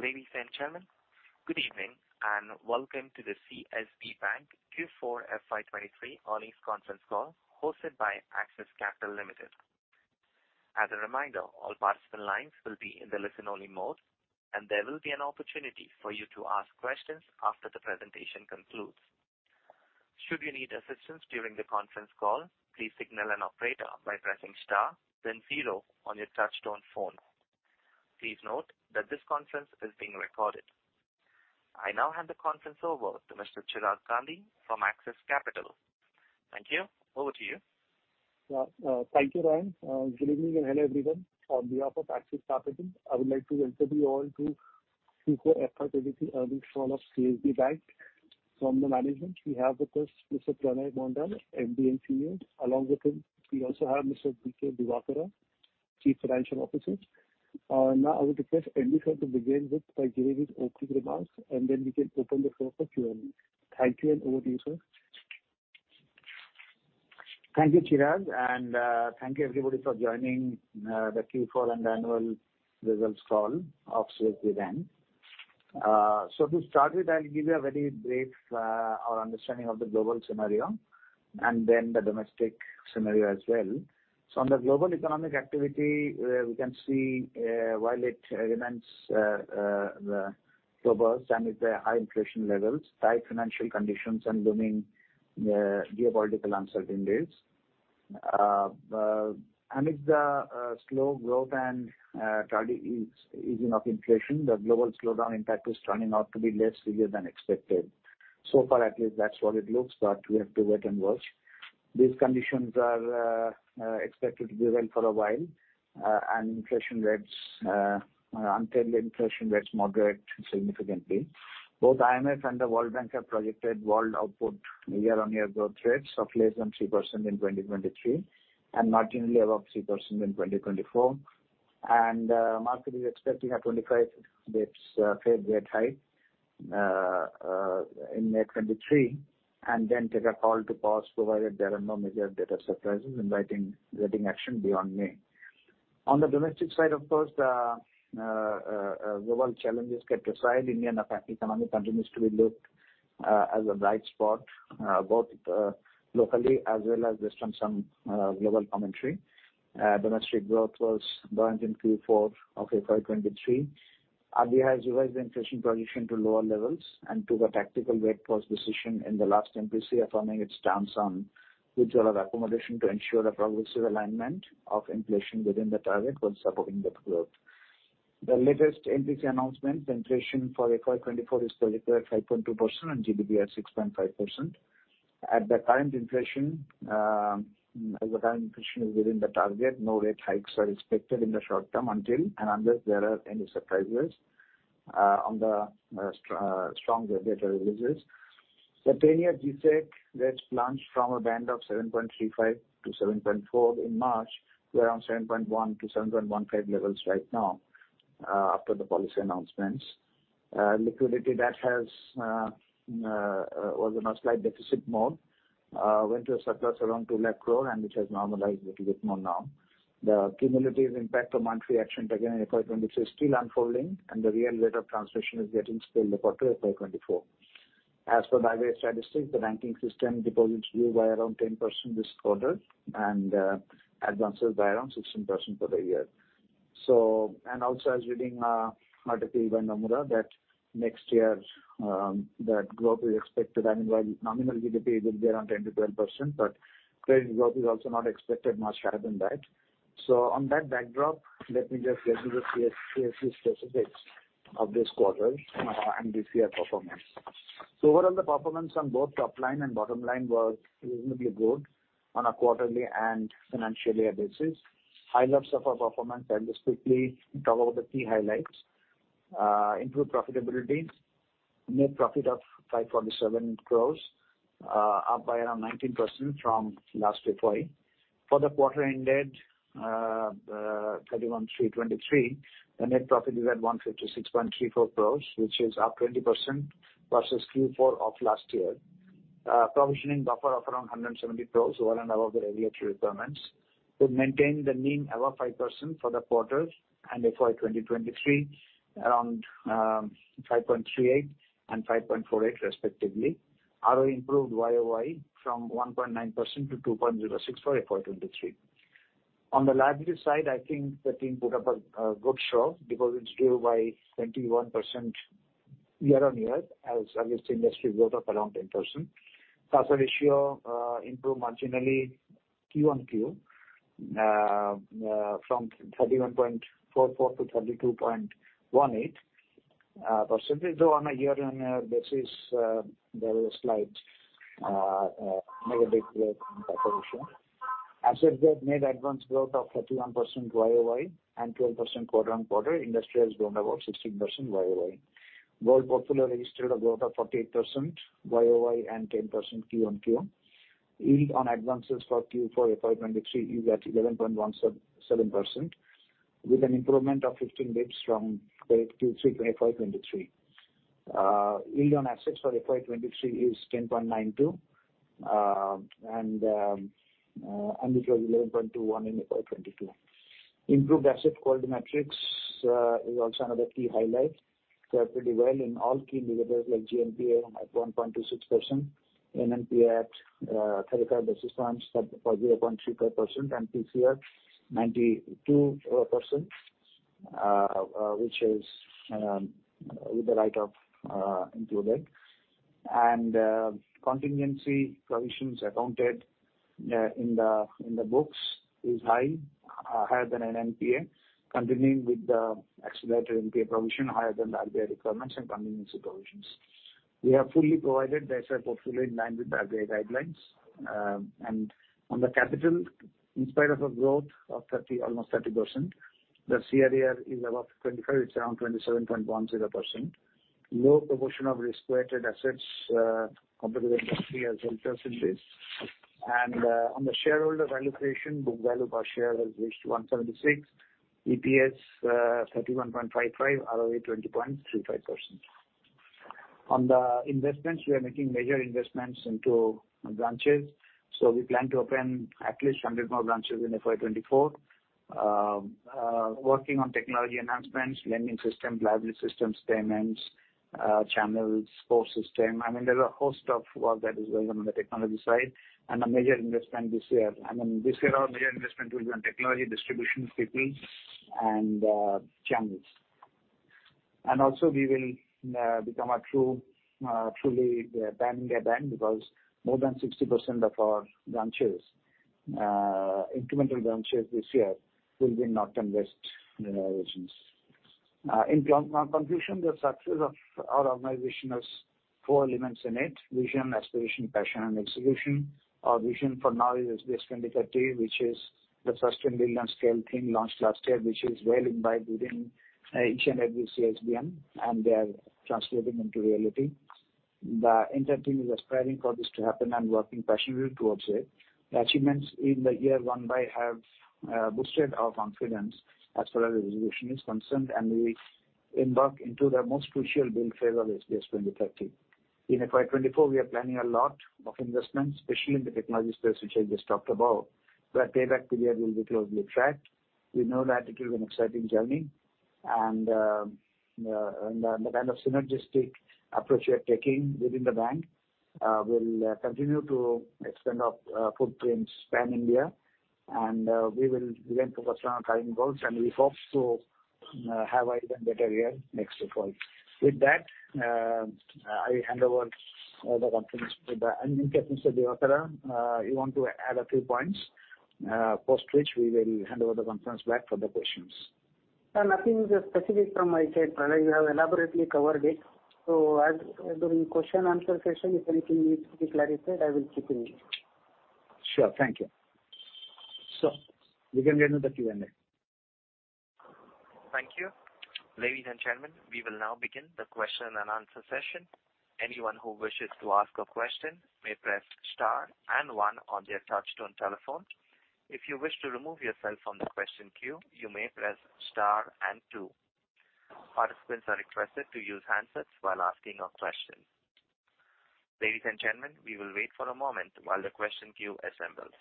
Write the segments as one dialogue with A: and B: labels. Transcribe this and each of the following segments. A: Ladies and gentlemen, good evening and welcome to the CSB Bank Q4 FY 2023 earnings conference call hosted by Axis Capital Limited. As a reminder, all participant lines will be in the listen-only mode, and there will be an opportunity for you to ask questions after the presentation concludes. Should you need assistance during the conference call, please signal an operator by pressing star then zero on your touchtone phone. Please note that this conference is being recorded. I now hand the conference over to Mr. Chirag Gandhi from Axis Capital. Thank you. Over to you.
B: Yeah. Thank you, Ryan. Good evening and hello everyone. On behalf of Axis Capital, I would like to welcome you all to Q4 FY 2023 earnings call of CSB Bank. From the management, we have with us Mr. Pralay Mondal, MD & CEO. Along with him we also have Mr. B. K. Divakara, Chief Financial Officer. Now I would request MD Sir to begin with by giving his opening remarks, and then we can open the floor for Q&A. Thank you, and over to you, Sir.
C: Thank you, Chirag, thank you everybody for joining the Q4 and annual results call of CSB Bank. To start with, I'll give you a very brief understanding of the global scenario and then the domestic scenario as well. On the global economic activity, we can see while it remains robust amid the high inflation levels, tight financial conditions and looming geopolitical uncertainties. Amid the slow growth and target is easing of inflation, the global slowdown impact is turning out to be less severe than expected. Far at least that's what it looks, but we have to wait and watch. These conditions are expected to prevail for a while and inflation rates until the inflation rates moderate significantly. Both IMF and the World Bank have projected world output year-on-year growth rates of less than 3% in 2023 and marginally above 3% in 2024. Market is expecting a 25 basis Fed rate hike in May 2023, and then take a call to pause provided there are no major data surprises inviting rating action beyond May. On the domestic side, of course, the global challenges kept aside, Indian economy continues to be looked as a bright spot, both locally as well as based on some global commentary. Domestic growth was buoyant in Q4 of FY 2023. RBI has revised the inflation projection to lower levels and took a tactical rate pause decision in the last MPC, affirming its stance on neutral accommodation to ensure a progressive alignment of inflation within the target while supporting the growth. The latest MPC announcement, the inflation for FY 2024 is projected at 5.2% and GDP at 6.5%. At the current inflation, as the current inflation is within the target, no rate hikes are expected in the short term until and unless there are any surprises on the stronger data releases. The 10-year G-Sec rates plunged from a band of 7.35-7.4 in March to around 7.1-7.15 levels right now after the policy announcements. liquidity that has was in a slight deficit mode, went to a surplus around 2 lakh crore, and which has normalized little bit more now. The cumulative impact of monetary action taken in FY 2023 is still unfolding, and the real rate of transmission is getting spilled across FY 2024. As per advisory statistics, the banking system deposits grew by around 10% this quarter and advances by around 16% for the year. Also I was reading a article by Nomura that next year, that growth is expected, I mean, while nominal GDP will be around 10%-12%, but credit growth is also not expected much higher than that. On that backdrop, let me just get to the CSB specifics of this quarter and this year performance. Overall the performance on both top line and bottom line was reasonably good on a quarterly and financial year basis. Highlights of our performance, I'll just quickly talk about the key highlights. Improved profitability. Net profit of 547 crores, up by around 19% from last FY. For the quarter ended 31/3/2023, the net profit is at 156.34 crores, which is up 20% vs. Q4 of last year. Provisioning buffer of around 170 crores over and above the regulatory requirements. We've maintained the NIM above 5% for the quarters and FY 2023 around 5.38% and 5.48% respectively. ROE improved year-over-year from 1.9% to 2.06% for FY 2023. On the liability side, I think the team put up a good show. Deposits grew by 21% year-on-year as against industry growth of around 10%. CASA ratio improved marginally quarter-on-quarter from 31.44 to 32.18 percentage. On a year-on-year basis, there was a slight negative growth in CASA ratio. Asset net advance growth of 31% year-over-year and 12% quarter-on-quarter. Industry has grown about 16% year-over-year. Gold portfolio registered a growth of 48% year-over-year and 10% quarter-on-quarter. Yield on advances for Q4 FY 2023 is at 11.17% with an improvement of 15 basis points from the Q3 FY 2023. Yield on assets for FY 2023 is 10.92, and it was 11.21 in FY 2022. Improved asset quality metrics is also another key highlight. We are pretty well in all key indicators like GNPA at 1.26%, NNPA at 35 basis points at, for 0.35%, and PCR 92% which is with the write-off included. Contingency provisions accounted in the books is high, higher than NNPA, continuing with the accelerated NPA provision higher than the RBI requirements and contingency provisions. We have fully provided the SR population in line with the RBI guidelines. On the capital, in spite of a growth of 30, almost 30%, the CRAR is above 25, it's around 27.10%. Low proportion of risk-weighted assets compared to the industry as well as in this. On the shareholder valuation, book value per share has reached 176. EPS 31.55, ROE 20.35%. On the investments, we are making major investments into branches, so we plan to open at least 100 more branches in FY 2024. Working on technology enhancements, lending systems, liability systems, payments, channels, core system. I mean, there's a host of work that is going on in the technology side and a major investment this year. I mean, this year our major investment will be on technology, distribution, people and channels. Also we will become a true, truly pan-India bank because more than 60% of our branches, incremental branches this year will be north and west, you know, regions. In conclusion, the success of our organization has four elements in it: vision, aspiration, passion and execution. Our vision for now is SBS 2030, which is the first billion scale thing launched last year, which is well imbibed within each and every CSBM, and they are translating into reality. The entire team is aspiring for this to happen and working passionately towards it. The achievements in the year one by have boosted our confidence as far as the resolution is concerned, and we embark into the most crucial build phase of SBS 2030. In FY 2024, we are planning a lot of investments, especially in the technology space which I just talked about, where payback period will be closely tracked. We know that it will be an exciting journey and the kind of synergistic approach we are taking within the bank will continue to extend our footprints pan-India, and we will begin to focus on our current goals, and we hope to have an even better year next fiscal. With that, I hand over the conference to the... In case, Mr. Divakara, you want to add a few points, post which we will hand over the conference back for the questions.
D: Nothing specific from my side, Pralay. You have elaborately covered it. As during question and answer session, if anything needs to be clarified, I will chip in.
C: Sure. Thank you. We can get into the Q&A.
A: Thank you. Ladies and gentlemen, we will now begin the question and answer session. Anyone who wishes to ask a question may press star and one on their touch-tone telephone. If you wish to remove yourself from the question queue, you may press star and two. Participants are requested to use handsets while asking a question. Ladies and gentlemen, we will wait for a moment while the question queue assembles.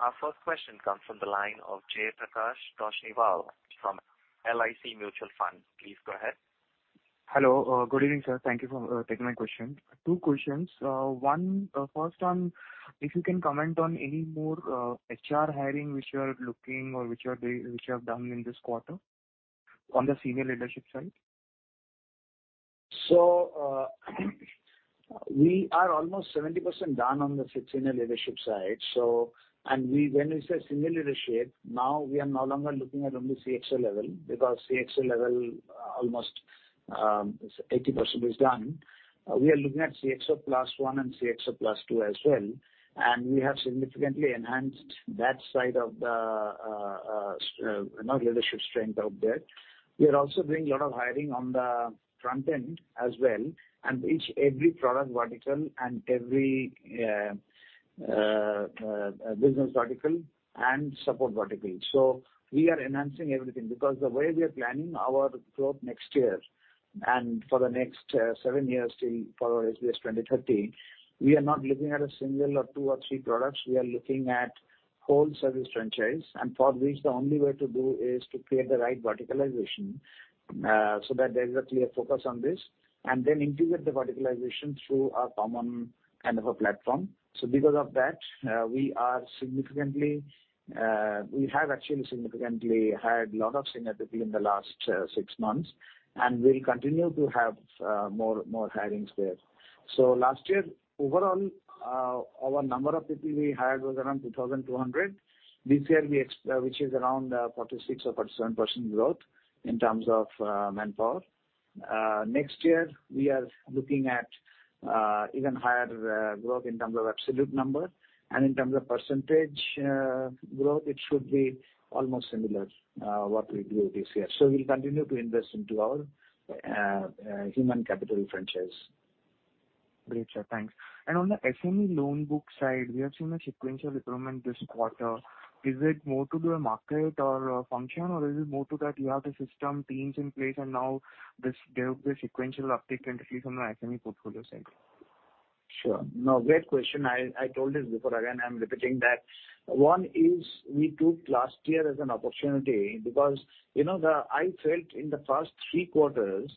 A: Our first question comes from the line of Jaiprakash Toshniwal from LIC Mutual Fund. Please go ahead.
E: Hello. Good evening, Sir. Thank you for taking my question. Two questions. One, first one, if you can comment on any more HR hiring which you are looking or which you are doing, which you have done in this quarter on the Senior Leadership side?
C: We are almost 70% done on the senior leadership side. We, when we say senior leadership, now we are no longer looking at only CXO level because CXO level, almost 80% is done. We are looking at CXO plus one and CXO plus two as well, and we have significantly enhanced that side of the, you know, leadership strength out there. We are also doing a lot of hiring on the front end as well, and each, every product vertical and every business vertical and support vertical. We are enhancing everything because the way we are planning our growth next year and for the next seven years till for our SBS 2030, we are not looking at a single or two or three products. We are looking at whole service franchise, and for which the only way to do is to create the right verticalization, so that there is a clear focus on this and then integrate the verticalization through a common kind of a platform. Because of that, we are significantly, we have actually significantly hired lot of seniority in the last six months, and we'll continue to have more hirings there. Last year, overall, our number of people we hired was around 2,200. This year, which is around 46% or 47% growth in terms of manpower. Next year we are looking at even higher growth in terms of absolute number and in terms of percentage growth, it should be almost similar what we do this year. We'll continue to invest into our human capital franchise.
E: Great, Sir. Thanks. On the SME loan book side, we have seen a sequential improvement this quarter. Is it more to do a market or a function or is it more to that you have the system teams in place and now this there will be a sequential uptick in the fees on the SME portfolio side?
C: Sure. No, great question. I told this before. Again, I'm repeating that. One is we took last year as an opportunity because, you know, the I felt in the first three quarters,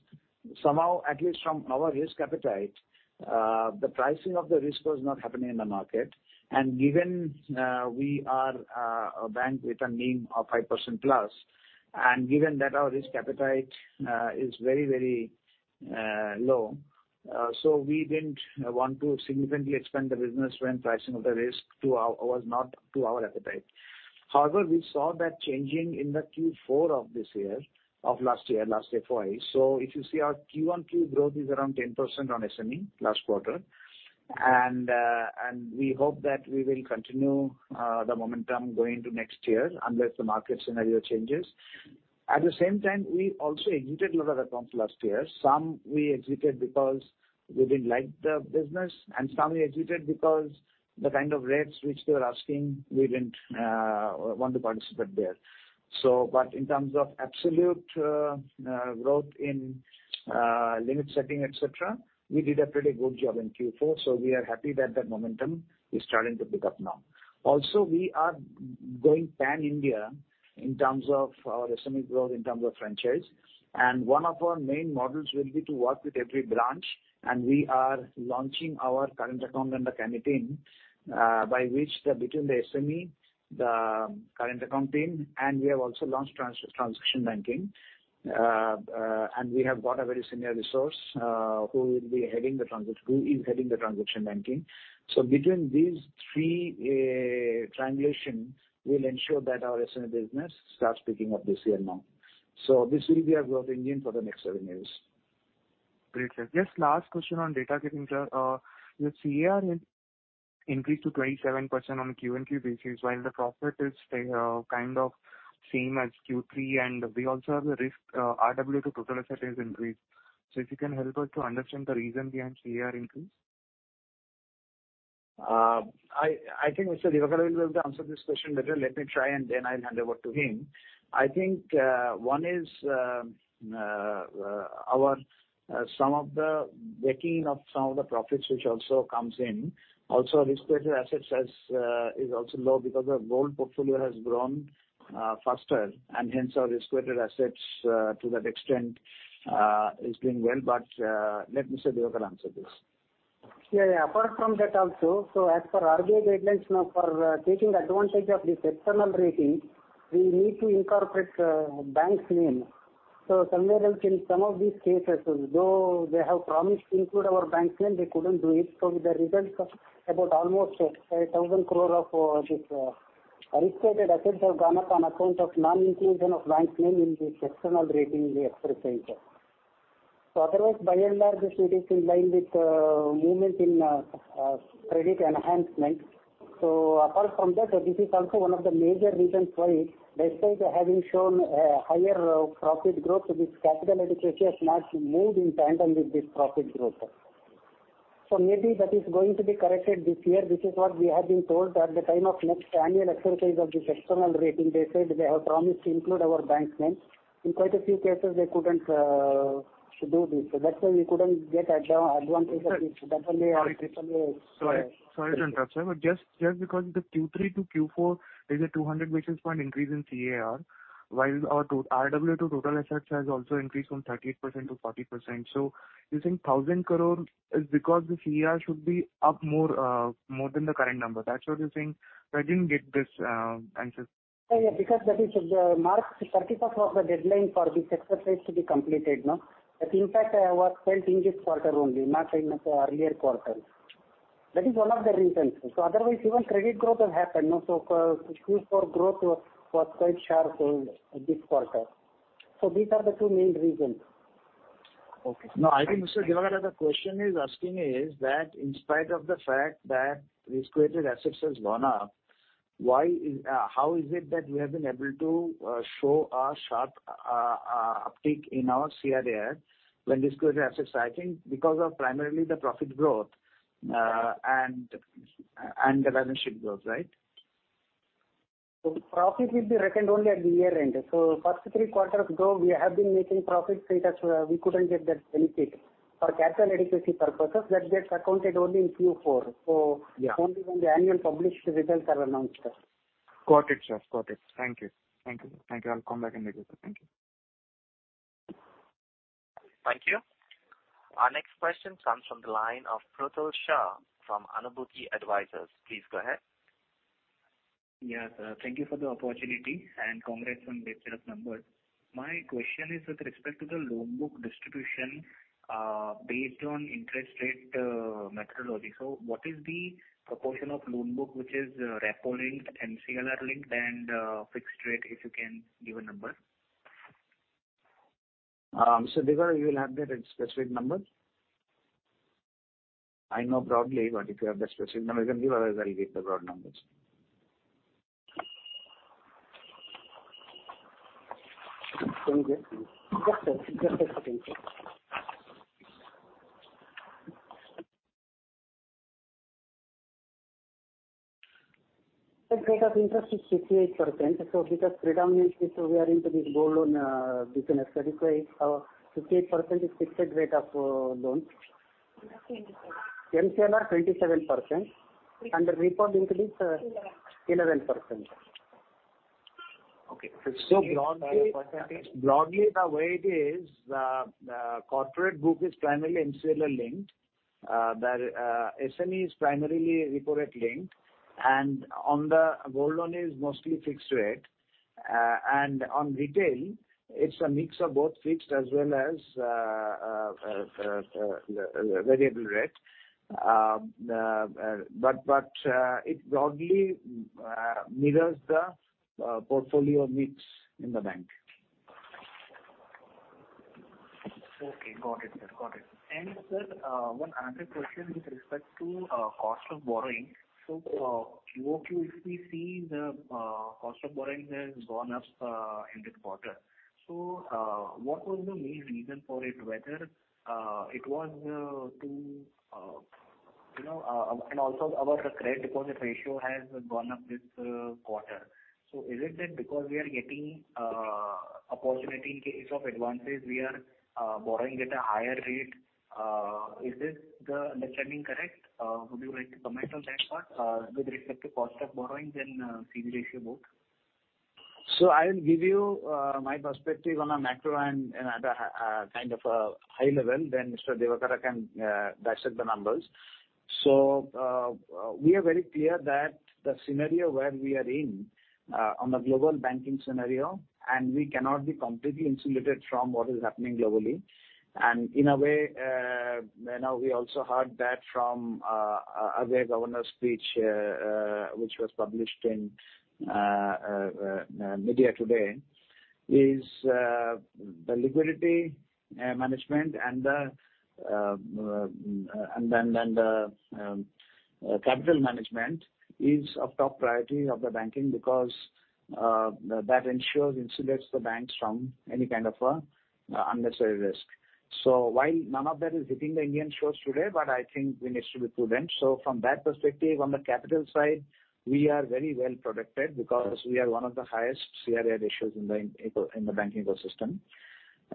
C: somehow, at least from our risk appetite, the pricing of the risk was not happening in the market. Given, we are a bank with a NIM of 5%+, and given that our risk appetite is very, very low, so we didn't want to significantly expand the business when pricing of the risk to our was not to our appetite. However, we saw that changing in the Q4 of this year, of last year, last FY. If you see our Q1Q growth is around 10% on SME last quarter. We hope that we will continue the momentum going into next year unless the market scenario changes. At the same time, we also exited a lot of accounts last year. Some we exited because we didn't like the business and some we exited because the kind of rates which they were asking, we didn't want to participate there. But in terms of absolute growth in limit setting, etc., we did a pretty good job in Q4. We are happy that the momentum is starting to pick up now. Also, we are going pan-India in terms of our SME growth, in terms of franchise. One of our main models will be to work with every branch, and we are launching our current account and the current team, by which the between the SME, the current Account Team, and we have also launched transaction banking. We have got a very senior resource who is heading the transaction banking. Between these three, triangulation, we'll ensure that our SME business starts picking up this year now. This will be our growth engine for the next seven years.
E: Great, Sir. Just last question on data, getting the CAR has increased to 27% on a QnQ basis, while the profit is stay kind of same as Q3 and we also have the risk RWA to total assets increase. If you can help us to understand the reason behind CAR increase.
C: I think Mr. Divakara will be able to answer this question better. Let me try and then I'll hand over to him. I think, one is, our, some of the backing of some of the profits which also comes in. Also risk-weighted assets has, is also low because our gold portfolio has grown, faster, and hence our risk-weighted assets, to that extent, is doing well. Let Mr. Divakara answer this.
D: Yeah, yeah. Apart from that also, as per RBI guidelines now for taking advantage of this external rating, we need to incorporate bank's name. Somewhere else in some of these cases, though they have promised to include our bank's name, they couldn't do it. The results of about almost a 1,000 crore of this risk-weighted assets have gone up on account of non-inclusion of bank's name in this external rating we exercise. Otherwise by and large this it is in line with movement in credit enhancement. Apart from that, this is also one of the major reasons why despite having shown a higher profit growth, this capital adequacy has not moved in tandem with this profit growth. Maybe that is going to be corrected this year. This is what we have been told that the time of next annual exercise of this external rating, they said they have promised to include our bank's name. In quite a few cases they couldn't do this. That's why we couldn't get advantage of this. That's only, this only.
E: Sorry. Sorry to interrupt, Sir. just because the Q3 to Q4 is a 200 basis point increase in CAR, while our RWA to total assets has also increased from 38% to 40%. You think 1,000 crore is because this CAR should be up more than the current number. That's what you're saying? I didn't get this answer.
D: Yeah. That is the March 31st was the deadline for this exercise to be completed now. That in fact, was felt in this quarter only, not in the earlier quarter. That is one of the reasons. Otherwise even credit growth has happened also for Q4 growth was quite sharp in this quarter. These are the two main reasons.
E: Okay.
C: I think Mr. Divakara, the question he's asking is that in spite of the fact that risk-weighted assets has gone up, how is it that we have been able to show a sharp uptick in our CAR when risk-weighted assets, I think because of primarily the profit growth, and the balance sheet growth, right?
D: Profit will be reckoned only at the year-end. First three quarters though we have been making profit so it has, we couldn't get that benefit. For capital adequacy purposes, that gets accounted only in Q4.
E: Yeah.
D: only when the annual published results are announced.
E: Got it, Sir. Got it. Thank you. Thank you. Thank you. I'll come back and raise it. Thank you.
A: Thank you. Our next question comes from the line of Pruthul Shah from Anubhuti Advisors. Please go ahead.
F: Yes. Thank you for the opportunity, and congrats on the set of numbers. My question is with respect to the loan book distribution, based on interest rate, methodology. What is the proportion of loan book which is repo linked and MCLR linked and fixed rate, if you can give a number?
C: Divakara, you will have that specific number. I know broadly, but if you have the specific number, you can give, otherwise I'll give the broad numbers. Thank you. Just a second. The rate of interest is 68% because predominantly so we are into this gold loan business. That is why it's, 68% is fixed rate of loans.
F: MCLR?
C: MCLR, 27% and the repo link is.
F: Eleven.
C: 11%.
F: Okay.
C: Broadly the way it is, corporate book is primarily MCLR linked. The SME is primarily repo rate linked, and on the gold loan is mostly fixed rate. On retail it's a mix of both fixed as well as the variable rate. It broadly mirrors the portfolio mix in the bank.
F: Okay. Got it, Sir. Got it. Sir, one another question with respect to cost of borrowing. QOQ if we see the cost of borrowing has gone up in this quarter. What was the main reason for it, whether it was to, you know. Also our current deposit ratio has gone up this quarter. Is it that because we are getting a possibility in case of advances, we are borrowing at a higher rate? Is this the understanding correct? Would you like to comment on that part with respect to cost of borrowing then CDR issue both?
C: I will give you my perspective on a macro and at a kind of a high level than Mr. Divakara can dissect the numbers. We are very clear that the scenario where we are in on the Global Banking scenario, and we cannot be completely insulated from what is happening globally. In a way, now we also heard that from our Governor's speech, which was published in media today, is the liquidity management and the capital management is of top priority of the banking because that ensures insulates the banks from any kind of unnecessary risk. While none of that is hitting the Indian shores today, but I think we need to be prudent. From that perspective, on the capital side, we are very well protected because we are one of the highest CRA ratios in the banking ecosystem.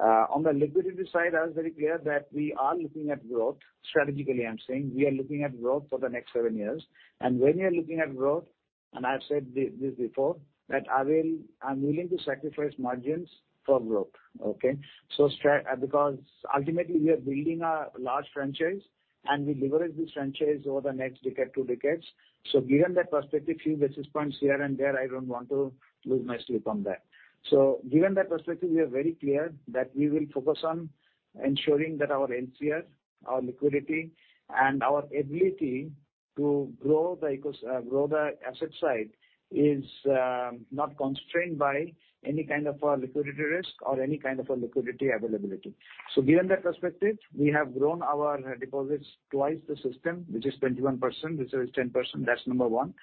C: On the liquidity side, I was very clear that we are looking at growth. Strategically, I'm saying we are looking at growth for the next seven years. When you're looking at growth and I've said this before, that I'm willing to sacrifice margins for growth. Okay? Because ultimately we are building a large franchise and we leverage this franchise over the next decade, two decades. Given that perspective, few basis points here and there, I don't want to lose my sleep on that. Given that perspective, we are very clear that we will focus on ensuring that our LCR, our liquidity and our ability to grow the ecos-- grow the asset side is not constrained by any kind of a liquidity risk or any kind of a liquidity availability. Given that perspective, we have grown our deposits twice the system, which is 21%, reserve is 10%. That's number one.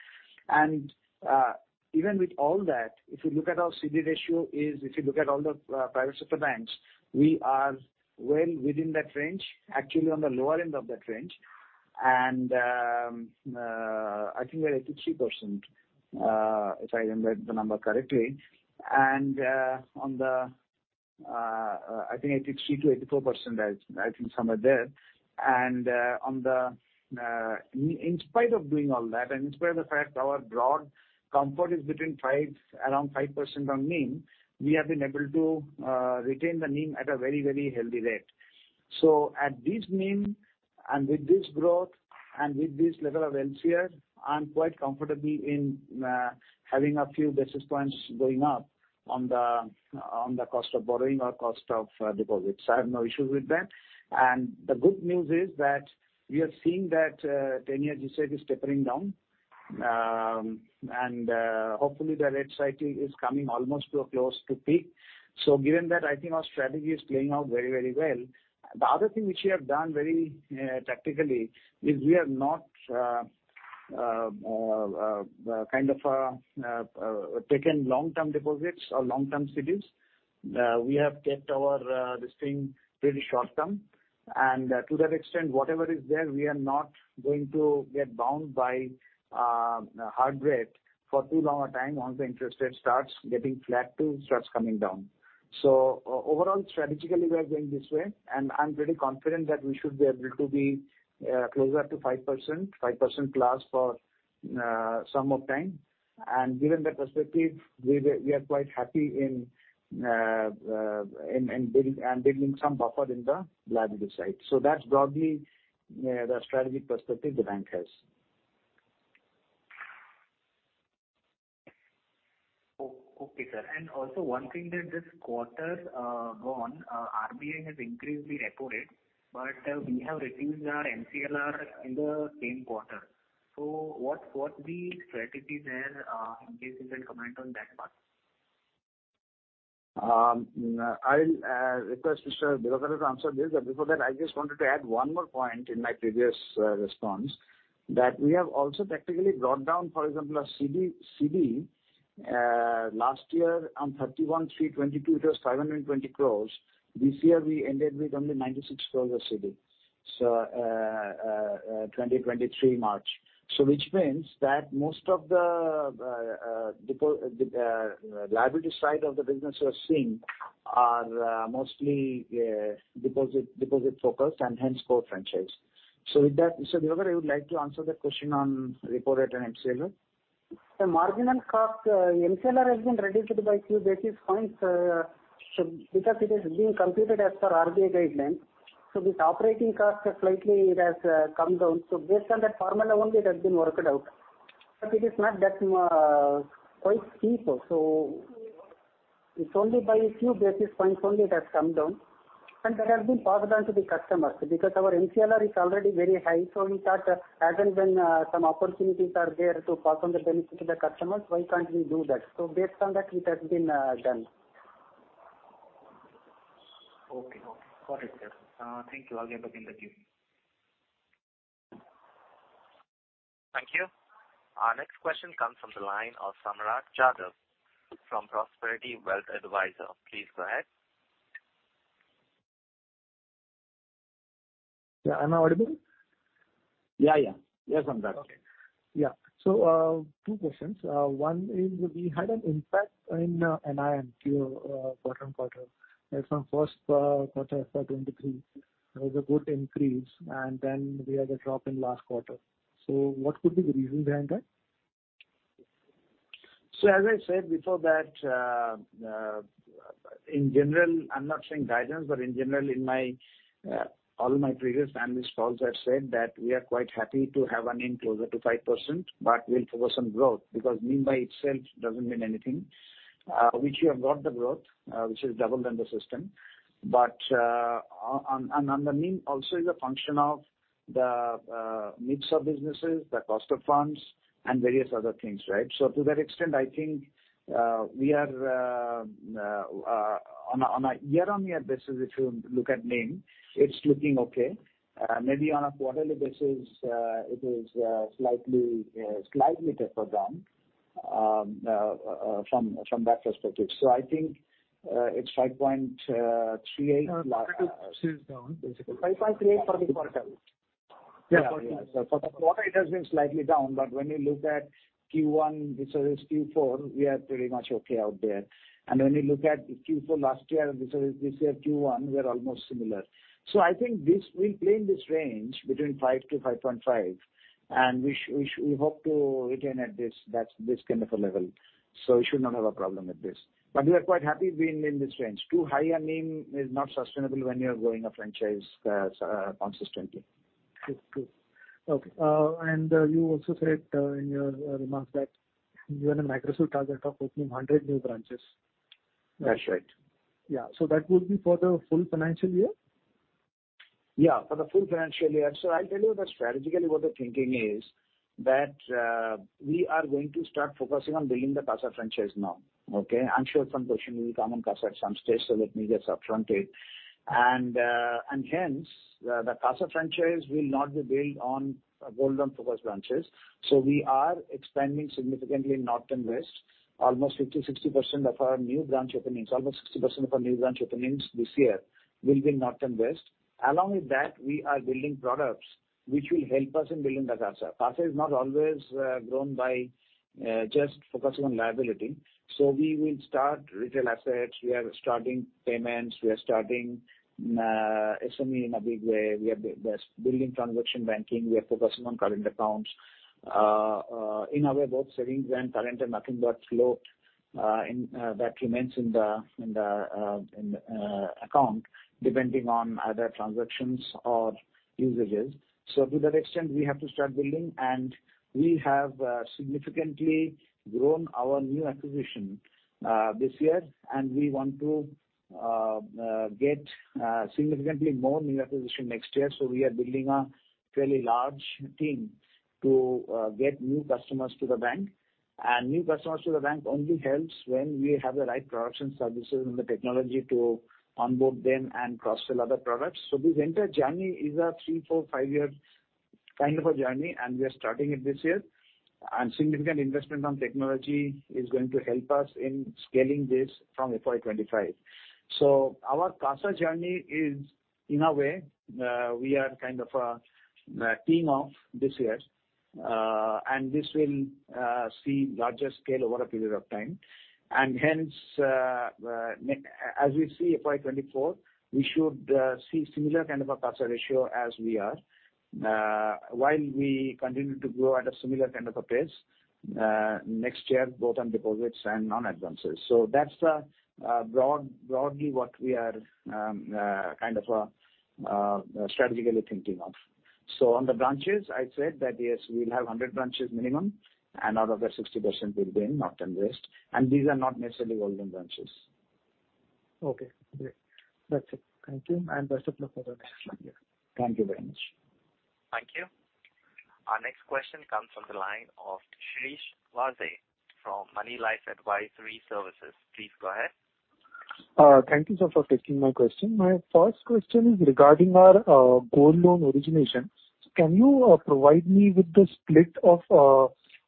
C: Even with all that, if you look at our CD ratio is, if you look at all the private sector banks, we are well within that range, actually on the lower end of that range. I think we are at 83% if I remember the number correctly. On the, I think 83%-84%, I think somewhere there. On the in spite of doing all that, and in spite of the fact our broad comfort is between 5%, around 5% on NIM, we have been able to retain the NIM at a very, very healthy rate. At this NIM and with this growth and with this level of LCR, I'm quite comfortably in having a few basis points going up on the, on the cost of borrowing or cost of deposits. I have no issue with that. The good news is that we are seeing that 10-year G-Sec is tapering down, and hopefully the rate cycle is coming almost to a close to peak. Given that, I think our strategy is playing out very, very well. The other thing which we have done very tactically is we have not kind of taken long-term deposits or long-term CDs. We have kept our this thing really short-term and to that extent, whatever is there, we are not going to get bound by hard rate for too long a time once the interest rate starts getting flat to starts coming down. Overall, strategically we are going this way and I'm pretty confident that we should be able to be closer to 5%, 5%+ for some more time. Given that perspective, we are quite happy in building and building some buffer in the liability side. That's broadly the strategic perspective the bank has.
F: Okay, Sir. Also one thing that this quarter gone, RBI has increased the repo rate, but we have reduced our MCLR in the same quarter. What the strategies there, if you can comment on that part?
C: I'll request Mr. Divakara to answer this. Before that I just wanted to add one more point in my previous response that we have also tactically brought down, for example, our CD last year on 31/3/2022 it was 520 crores. This year we ended with only 96 crores of CD. March 2023. Which means that most of the liability side of the business we are seeing are mostly deposit focused and hence core franchise. With that, Divakara, I would like to answer that question on repo rate and MCLR.
D: The marginal cost, MCLR has been reduced by few basis points, because it is being computed as per RBI guidelines. This operating costs have slightly come down. Based on that formula only it has been worked out, but it is not that, quite steep. It's only by few basis points only it has come down, and that has been passed on to the customers because our MCLR is already very high. We thought as and when, some opportunities are there to pass on the benefit to the customers, why can't we do that? Based on that, it has been, done.
C: Okay. Okay. Got it. Thank you. I'll get back in the queue.
A: Thank you. Our next question comes from the line of Samraat Jadhav from Prosperity Wealth Advisors. Please go ahead.
G: Yeah, am I audible?
C: Yeah, yeah. Yes, I'm back.
G: Okay. Yeah. Two questions. One is we had an impact in NIM Q, bottom quarter from first quarter for 2023. There was a good increase, and then we had a drop in last quarter. What could be the reason behind that?
C: As I said before that, in general, I'm not saying guidance, but in general in my all my previous analyst calls, I've said that we are quite happy to have a NIM closer to 5%, but we'll focus on growth because NIM by itself doesn't mean anything. Which we have got the growth, which is double than the system. The NIM also is a function of the mix of businesses, the cost of funds and various other things, right? To that extent, I think, we are on a year-on-year basis, if you look at NIM, it's looking okay. Maybe on a quarterly basis, it is slightly taper down from that perspective. I think, it's 5.38.
G: It is down basically.
D: 5.38 for this quarter.
G: Yeah, for this quarter.
C: For the quarter it has been slightly down, but when you look at Q1 vis-a-vis Q4, we are pretty much okay out there. When you look at Q4 last year vis-a-vis this year Q1, we are almost similar. I think this will play in this range between 5%-5.5%, and we hope to retain at this, that, this kind of a level. We should not have a problem with this. We are quite happy being in this range. Too high a NIM is not sustainable when you are growing a franchise consistently.
G: True, true. Okay. You also said in your remarks that you have a micro goal target of opening 100 new branches.
C: That's right.
G: Yeah. That would be for the full financial year?
C: Yeah, for the full financial year. I'll tell you that strategically what the thinking is that, we are going to start focusing on building the CASA franchise now. Okay? I'm sure some question will come on CASA at some stage, so let me just up front it. Hence, the CASA franchise will not be built on gold loan focused branches. We are expanding significantly north and west. Almost 50%, 60% of our new branch openings, almost 60% of our new branch openings this year will be north and west. Along with that, we are building products which will help us in building the CASA. CASA is not always, grown by, just focusing on liability. We will start retail assets. We are starting payments. We are starting, SME in a big way. We are building transaction banking. We are focusing on current accounts. In a way, both savings and current are nothing but flow in that remains in the account depending on either transactions or usages. To that extent, we have to start building, and we have significantly grown our new acquisition this year, and we want to get significantly more new acquisition next year. We are building a fairly large team to get new customers to the bank. New customers to the bank only helps when we have the right products and services and the technology to onboard them and cross-sell other products. This entire journey is a 3, 4, 5 year kind of a journey, and we are starting it this year. Significant investment on technology is going to help us in scaling this from FY 2025. Our CASA journey is, in a way, we are kind of, team off this year. This will see larger scale over a period of time. Hence, as we see FY 2024, we should see similar kind of a CASA ratio as we are, while we continue to grow at a similar kind of a pace next year, both on deposits and non-advances. That's broadly what we are kind of strategically thinking of. On the branches, I said that yes, we'll have 100 branches minimum and out of that 60% will be in north and west, and these are not necessarily gold loan branches.
G: Okay, great. That's it. Thank you. Best of luck for the rest of the year.
C: Thank you very much.
A: Thank you. Our next question comes from the line of Shirish Vaze from Moneylife Advisory Services. Please go ahead.
H: Thank you, Sir, for taking my question. My first question is regarding our gold loan origination. Can you provide me with the split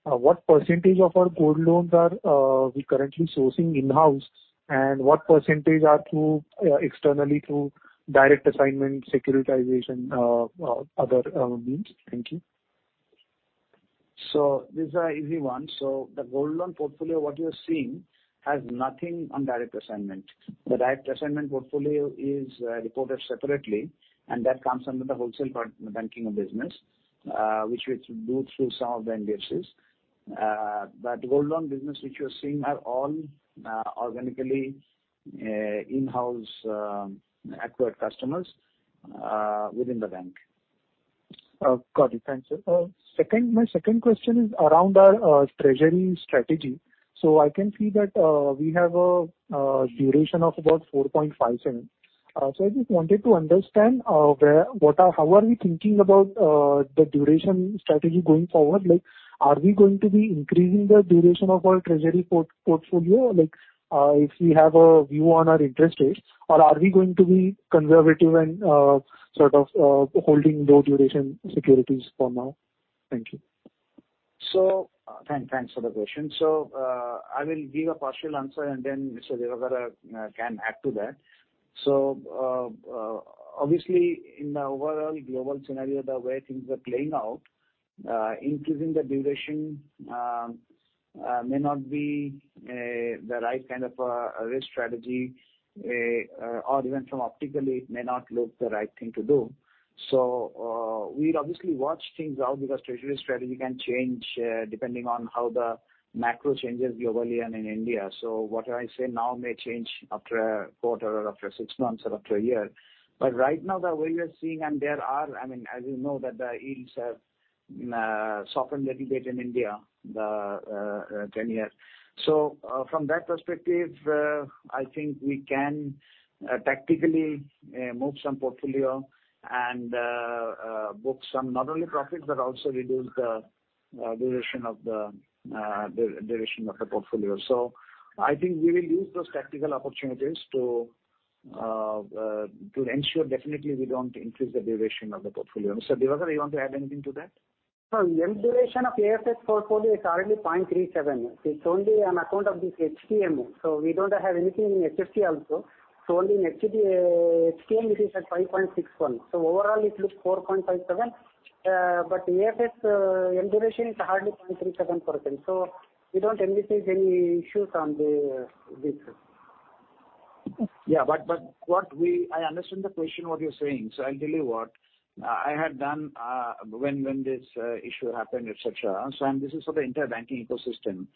H: of what % of our gold loans are we currently sourcing in-house, and what % are through externally through direct assignment, securitization, other means? Thank you.
C: This is a easy one. The gold loan portfolio, what you are seeing has nothing on direct assignment. The direct assignment portfolio is reported separately, and that comes under the wholesale part in the banking business, which we do through some of the NBFCs. Gold loan business which you are seeing are all organically, in-house, acquired customers within the bank.
H: Got it. Thanks, Sir. My second question is around our treasury strategy. I can see that we have a duration of about 4.57. I just wanted to understand how are we thinking about the duration strategy going forward? Are we going to be increasing the duration of our treasury portfolio? If we have a view on our interest rates? Are we going to be conservative and sort of holding low duration securities for now? Thank you.
C: Thanks for the question. I will give a partial answer, and then Mr. Divakara can add to that. Obviously, in the overall global scenario, the way things are playing out, increasing the duration may not be the right kind of risk strategy, or even from optically, it may not look the right thing to do. We'd obviously watch things out because treasury strategy can change depending on how the macro changes globally and in India. What I say now may change after a quarter or after six months or after a year. Right now, the way we are seeing, and there are, I mean, as you know, that the yields have softened a little bit in India, the 10-year. From that perspective, I think we can tactically move some portfolio and book some not only profits but also reduce the duration of the portfolio. I think we will use those tactical opportunities to ensure definitely we don't increase the duration of the portfolio. Mr. Divakara, you want to add anything to that?
D: No. Duration of AFS portfolio is already 0.37. It's only on account of this HTM. We don't have anything in HFT also. Only in HTM, it is at 5.61. Overall it looks 4.57. AFS duration is hardly 0.37%. We don't anticipate any issues on the, this.
C: I understand the question what you're saying. I'll tell you what I had done when this issue happened, etc.. This is for the entire banking ecosystem.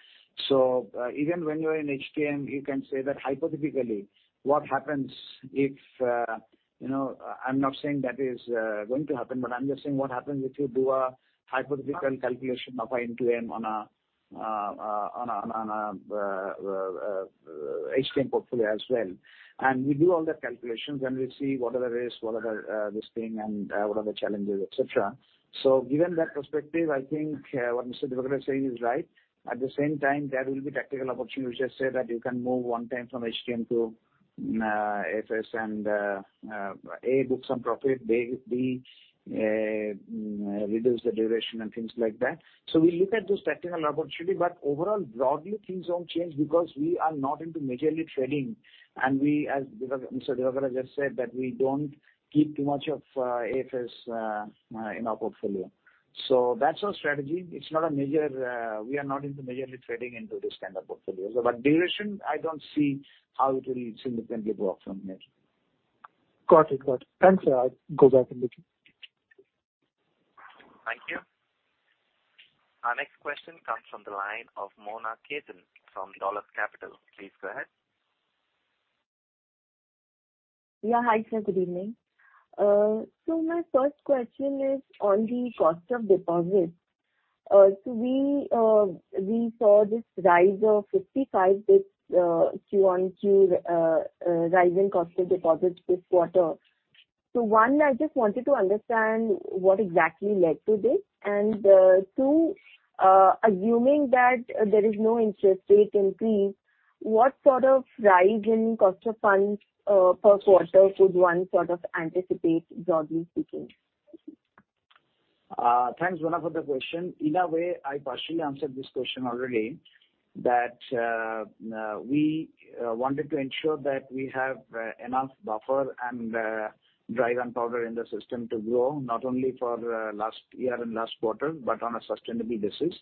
C: Even when you're in HTM, you can say that hypothetically, what happens if, you know, I'm not saying that is going to happen, but I'm just saying what happens if you do a hypothetical calculation of a end-to-end on a HTM portfolio as well. We do all the calculations and we see what are the risks, what are the this thing and what are the challenges, etc.. Given that perspective, I think what Mr. Divakara is saying is right. At the same time, there will be tactical opportunities, just say that you can move one time from HTM to AFS and book some profit, reduce the duration and things like that. We look at those tactical opportunity, but overall broadly things don't change because we are not into majorly trading and we as Divakara, Mr. Divakara just said that we don't keep too much of AFS in our portfolio. That's our strategy. It's not a major, we are not into majorly trading into this kind of portfolio. Duration, I don't see how it will significantly go up from here.
H: Got it. Got it. Thanks, Sir. I'll go back and look.
A: Thank you. Our next question comes from the line of Mona Khetan from Dolat Capital. Please go ahead.
I: Yeah. Hi, Sir. Good evening. My first question is on the cost of deposits. We saw this rise of 55 basis points, quarter-on-quarter, rise in cost of deposits this quarter. One, I just wanted to understand what exactly led to this. Two, assuming that there is no interest rate increase, what sort of rise in cost of funds, per quarter could one sort of anticipate broadly speaking?
C: Thanks, Mona Khetan, for the question. In a way, I partially answered this question already that we wanted to ensure that we have enough buffer and dry gunpowder in the system to grow, not only for the last year and last quarter, but on a sustainable basis.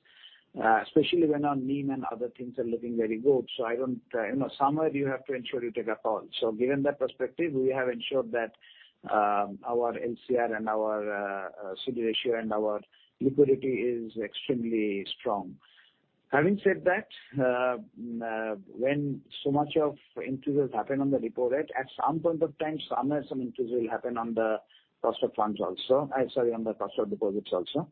C: Especially when our NIM and other things are looking very good. I don't, you know, somewhere you have to ensure you take a call. Given that perspective, we have ensured that our LCR and our CD ratio and our liquidity is extremely strong. Having said that, when so much of increases happen on the repo rate, at some point of time, somewhere some increase will happen on the cost of funds also. Sorry, on the cost of deposits also.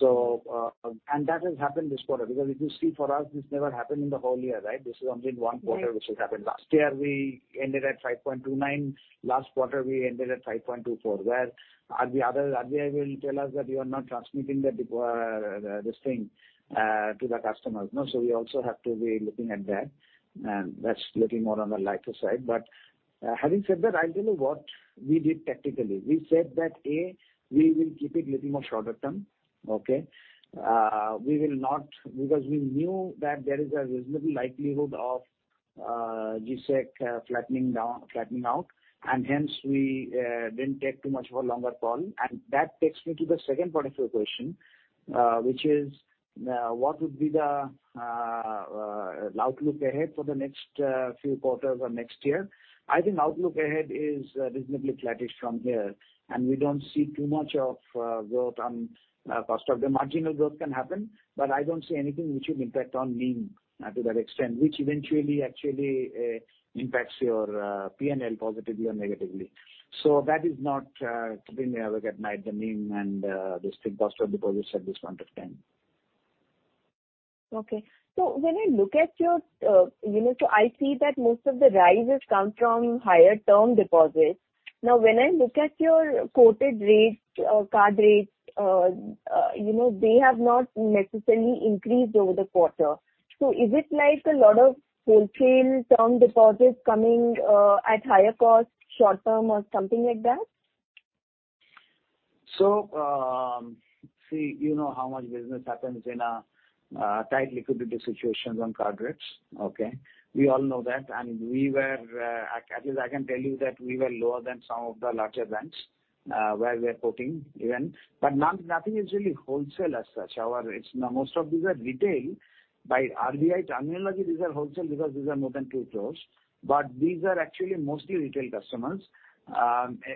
C: That has happened this quarter because if you see for us, this never happened in the whole year, right? This is only in one quarter.
I: Right.
C: This has happened. Last year we ended at 5.29%. Last quarter we ended at 5.24%. RBI will tell us that you are not transmitting this thing to the customers, no? We also have to be looking at that, and that's little more on the lighter side. Having said that, I'll tell you what we did tactically. We said that, A, we will keep it little more shorter term, okay? We will not because we knew that there is a reasonable likelihood of G-Sec flattening out, and hence we didn't take too much of a longer call. That takes me to the second part of your question, which is what would be the outlook ahead for the next few quarters or next year. I think outlook ahead is reasonably flattish from here, and we don't see too much of growth on cost of the marginal growth can happen, but I don't see anything which would impact on NIM to that extent, which eventually actually impacts your P&L positively or negatively. That is not keeping me awake at night, the NIM and the strict cost of deposits at this point of time.
I: Okay. When I look at your, you know, so I see that most of the rises come from higher term deposits. Now, when I look at your quoted rates or card rates, you know, they have not necessarily increased over the quarter. Is it like a lot of wholesale term deposits coming at higher cost short term or something like that?
C: See, you know how much business happens in a tight liquidity situations on card rates. Okay? We all know that. We were, at least I can tell you that we were lower than some of the larger banks, where we are quoting even, but none, nothing is really wholesale as such. Our rates, no most of these are retail. By RBI terminology, these are wholesale because these are more than 2 crores. These are actually mostly retail customers.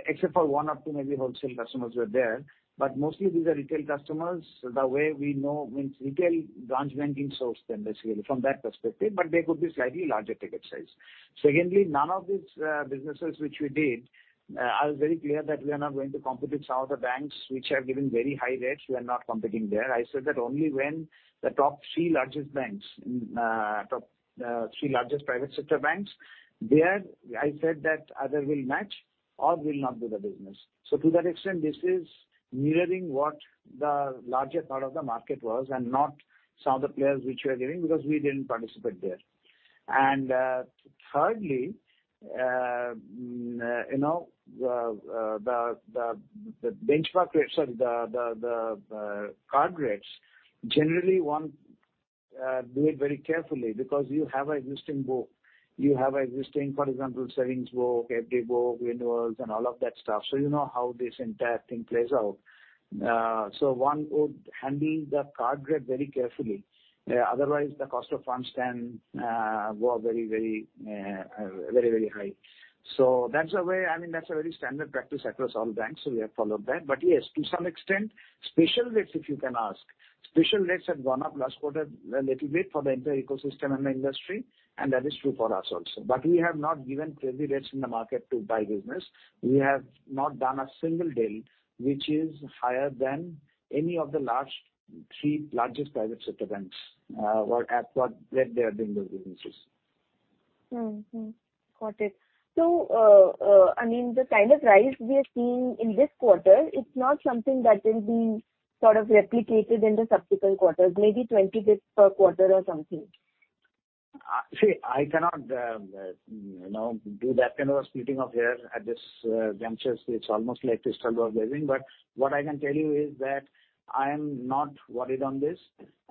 C: Except for one or two maybe wholesale customers were there, but mostly these are retail customers. The way we know means retail branch banking source then basically from that perspective, but they could be slightly larger ticket size. Secondly, none of these businesses which we did are very clear that we are not going to compete with some of the banks which have given very high rates. We are not competing there. I said that only when the top three largest banks, top three largest private sector banks, there I said that either we'll match or we'll not do the business. To that extent, this is mirroring what the larger part of the market was and not some of the players which were giving because we didn't participate there. Thirdly, you know, the benchmark rates or the card rates generally one do it very carefully because you have existing book. You have existing, for example, savings book, FD book, renewals, and all of that stuff, so you know how this entire thing plays out. One would handle the card rate very carefully. Otherwise the cost of funds can go very, very high. That's a way, I mean, that's a very standard practice across all banks, so we have followed that. Yes, to some extent, special rates if you can ask. Special rates have gone up last quarter a little bit for the entire ecosystem and the industry, and that is true for us also. We have not given crazy rates in the market to buy business. We have not done a single deal which is higher than any of the large three largest private sector banks, or at what rate they are doing those businesses.
I: Got it. I mean, the kind of rise we are seeing in this quarter, it's not something that will be sort of replicated in the subsequent quarters, maybe 20 bits per quarter or something.
C: See, I cannot, you know, do that kind of splitting of hair at this juncture. It's almost like struggle of living. What I can tell you is that I am not worried on this.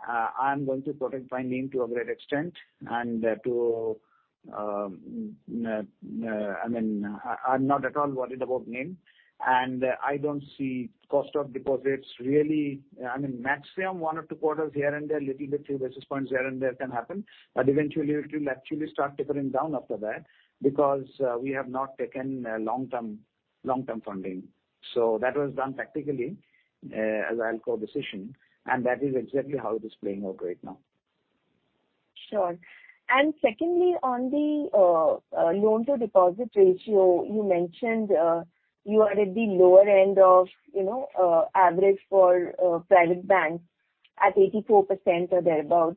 C: I am going to protect my NIM to a great extent and to, I mean, I'm not at all worried about NIM, and I don't see cost of deposits really. I mean, maximum one or two quarters here and there, little bit few basis points here and there can happen, but eventually it will actually start tapering down after that because we have not taken a long term, long term funding. That was done tactically, as I recall decision, and that is exactly how it is playing out right now.
I: Sure. Secondly, on the loan to deposit ratio, you mentioned, you are at the lower end of, you know, average for private banks at 84% or thereabout.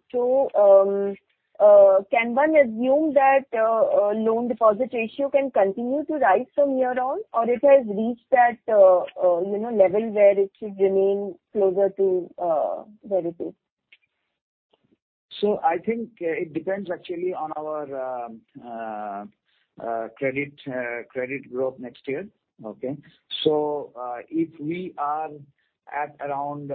I: Can one assume that loan deposit ratio can continue to rise from hereon or it has reached that, you know, level where it should remain closer to where it is?
C: I think it depends actually on our credit growth next year. Okay? If we are at around,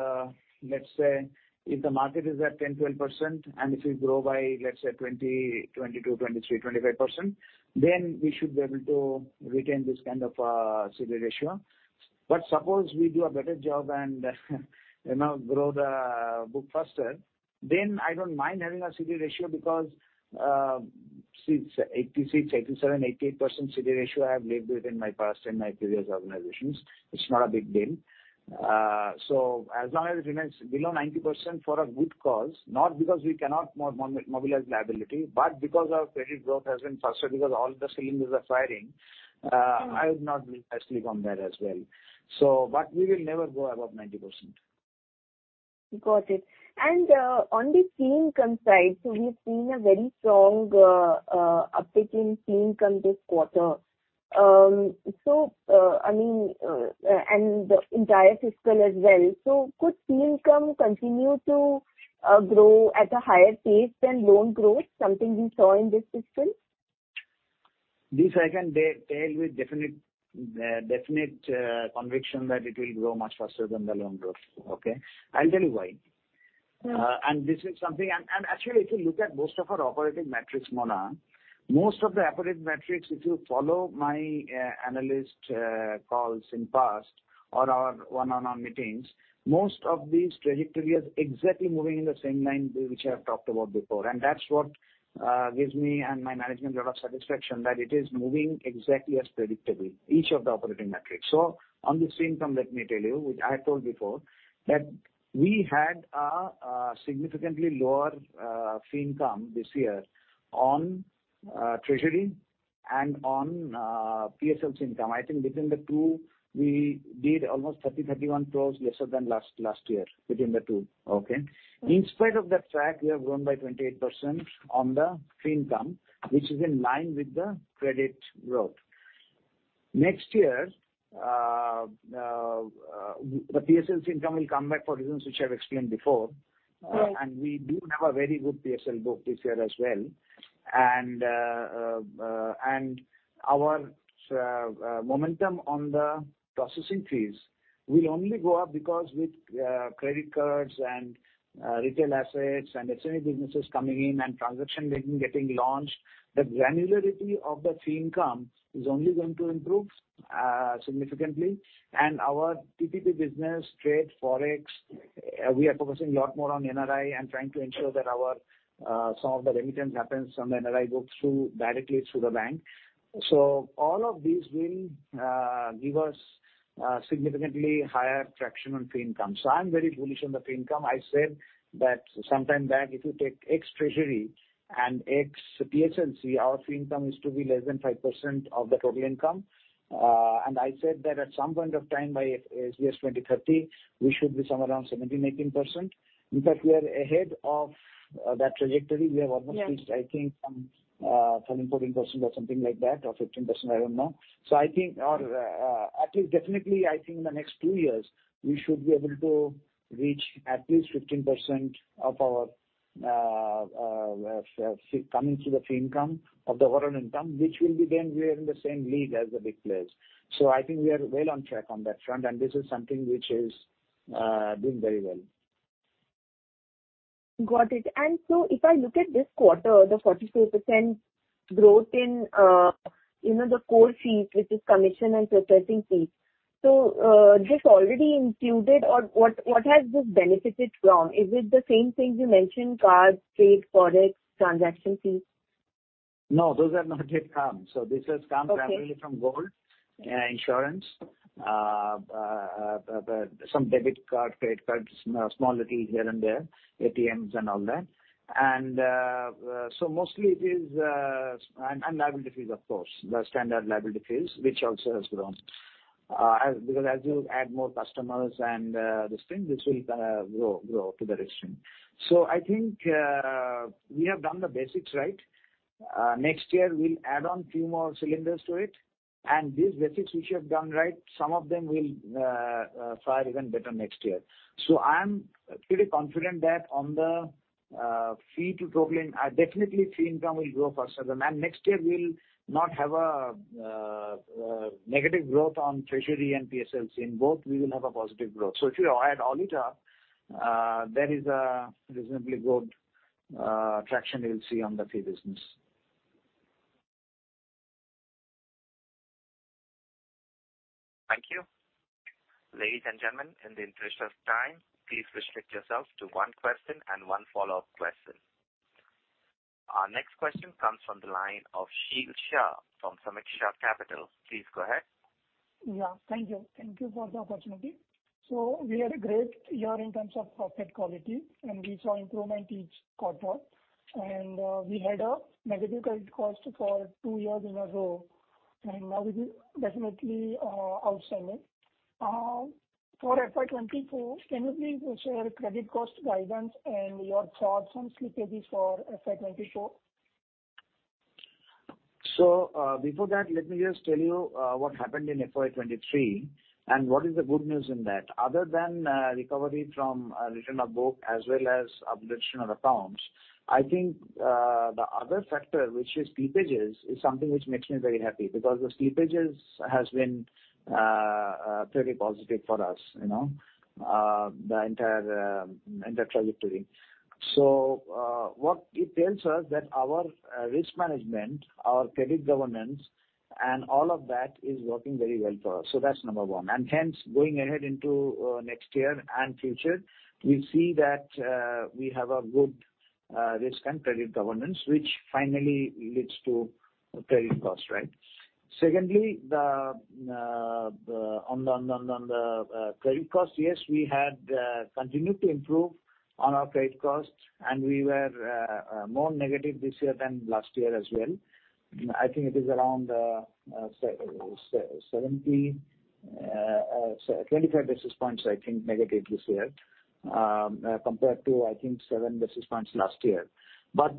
C: let's say if the market is at 10%-12% and if we grow by, let's say 20%, 23%-25%, then we should be able to retain this kind of CD ratio. Suppose we do a better job and you know, grow the book faster, then I don't mind having a CD ratio because, since 86%, 87%, 88% CD ratio, I have lived with in my past, in my previous organizations. It's not a big deal. As long as it remains below 90% for a good cause, not because we cannot mobilize liability, but because our credit growth has been faster because all the cylinders are firing.
I: Mm-hmm.
C: I would not be asleep on that as well. We will never go above 90%.
I: Got it. On the clean come side, we've seen a very strong uptick in clean come this quarter. I mean, and the entire fiscal as well. Could clean come continue to grow at a higher pace than loan growth, something we saw in this fiscal?
C: This I can tell with definite conviction that it will grow much faster than the loan growth. Okay? I'll tell you why.
I: Mm-hmm.
C: This is something... Actually, if you look at most of our operating metrics, Mona, most of the operating metrics, if you follow my analyst calls in past or our one-on-one meetings, most of these trajectory is exactly moving in the same line which I have talked about before. That's what gives me and my management a lot of satisfaction that it is moving exactly as predictable, each of the operating metrics. On this fee income, let me tell you, which I had told before, that we had a significantly lower fee income this year on treasury and on PSLC income. I think between the two we did almost 30-31 crores lesser than last year between the two, okay?
I: Mm-hmm.
C: In spite of that fact, we have grown by 28% on the fee income, which is in line with the credit growth. Next year, the PSLC income will come back for reasons which I've explained before.
I: Right.
C: We do have a very good PSLC book this year as well. Our momentum on the processing fees will only go up because with credit cards and retail assets and SME businesses coming in and transaction banking getting launched, the granularity of the fee income is only going to improve significantly. Our TPP business, trade, forex, we are focusing a lot more on NRI and trying to ensure that our some of the remittance happens on the NRI book through, directly through the bank. All of these will give us significantly higher traction on fee income. I am very bullish on the fee income. I said that sometime back, if you take ex-treasury and ex-PSLC, our fee income is to be less than 5% of the total income. I said that at some point of time by, yes, 2030, we should be somewhere around 17%, 18%. In fact, we are ahead of, that trajectory.
I: Yeah.
C: We have almost reached, I think, some, 13%, 14% or something like that, or 15%, I don't know. I think our At least definitely I think in the next two years we should be able to reach at least 15% of our, coming to the fee income of the overall income, which will be then we are in the same league as the big players. I think we are well on track on that front and this is something which is doing very well.
I: Got it. If I look at this quarter, the 44% growth in, you know, the core fees, which is commission and processing fees. This already included or what has this benefited from? Is it the same thing you mentioned cards, trade, forex, transaction fees?
C: No, those have not yet come.
I: Okay.
C: This has come primarily from gold, insurance, some debit card, credit cards, small little here and there, ATMs and all that. Mostly it is... And liability fees, of course. The standard liability fees, which also has grown. As, because as you add more customers and this thing, this will grow to the rest of them. I think we have done the basics right. Next year we'll add on few more cylinders to it. These basics which we have done right, some of them will fare even better next year. I am pretty confident that on the fee to total, definitely fee income will grow faster than. Next year we'll not have a negative growth on treasury and PSLC. In both we will have a positive growth. If you add all it up, there is a reasonably good traction you'll see on the fee business.
A: Thank you. Ladies and gentlemen, in the interest of time, please restrict yourselves to one question and one follow-up question. Our next question comes from the line of Sheel Shah from Sameeksha Capital. Please go ahead.
J: Yeah. Thank you. Thank you for the opportunity. We had a great year in terms of profit quality, and we saw improvement each quarter. We had a negative credit cost for two years in a row, and now it is definitely outstanding. For FY 2024, can you please share credit cost guidance and your thoughts on slippages for FY 2024?
C: Before that, let me just tell you what happened in FY 2023 and what is the good news in that. Other than recovery from return of book as well as abolition of accounts, I think, the other factor, which is slippages, is something which makes me very happy because those slippages has been pretty positive for us, you know, the entire entire trajectory. What it tells us that our risk management, our credit governance and all of that is working very well for us. That's number one. Going ahead into next year and future, we see that we have a good risk and credit governance, which finally leads to credit cost, right? Secondly, the credit cost, yes, we had continued to improve on our credit costs and we were more negative this year than last year as well. I think it is around 75 basis points, I think, negative this year, compared to, I think, 7 basis points last year.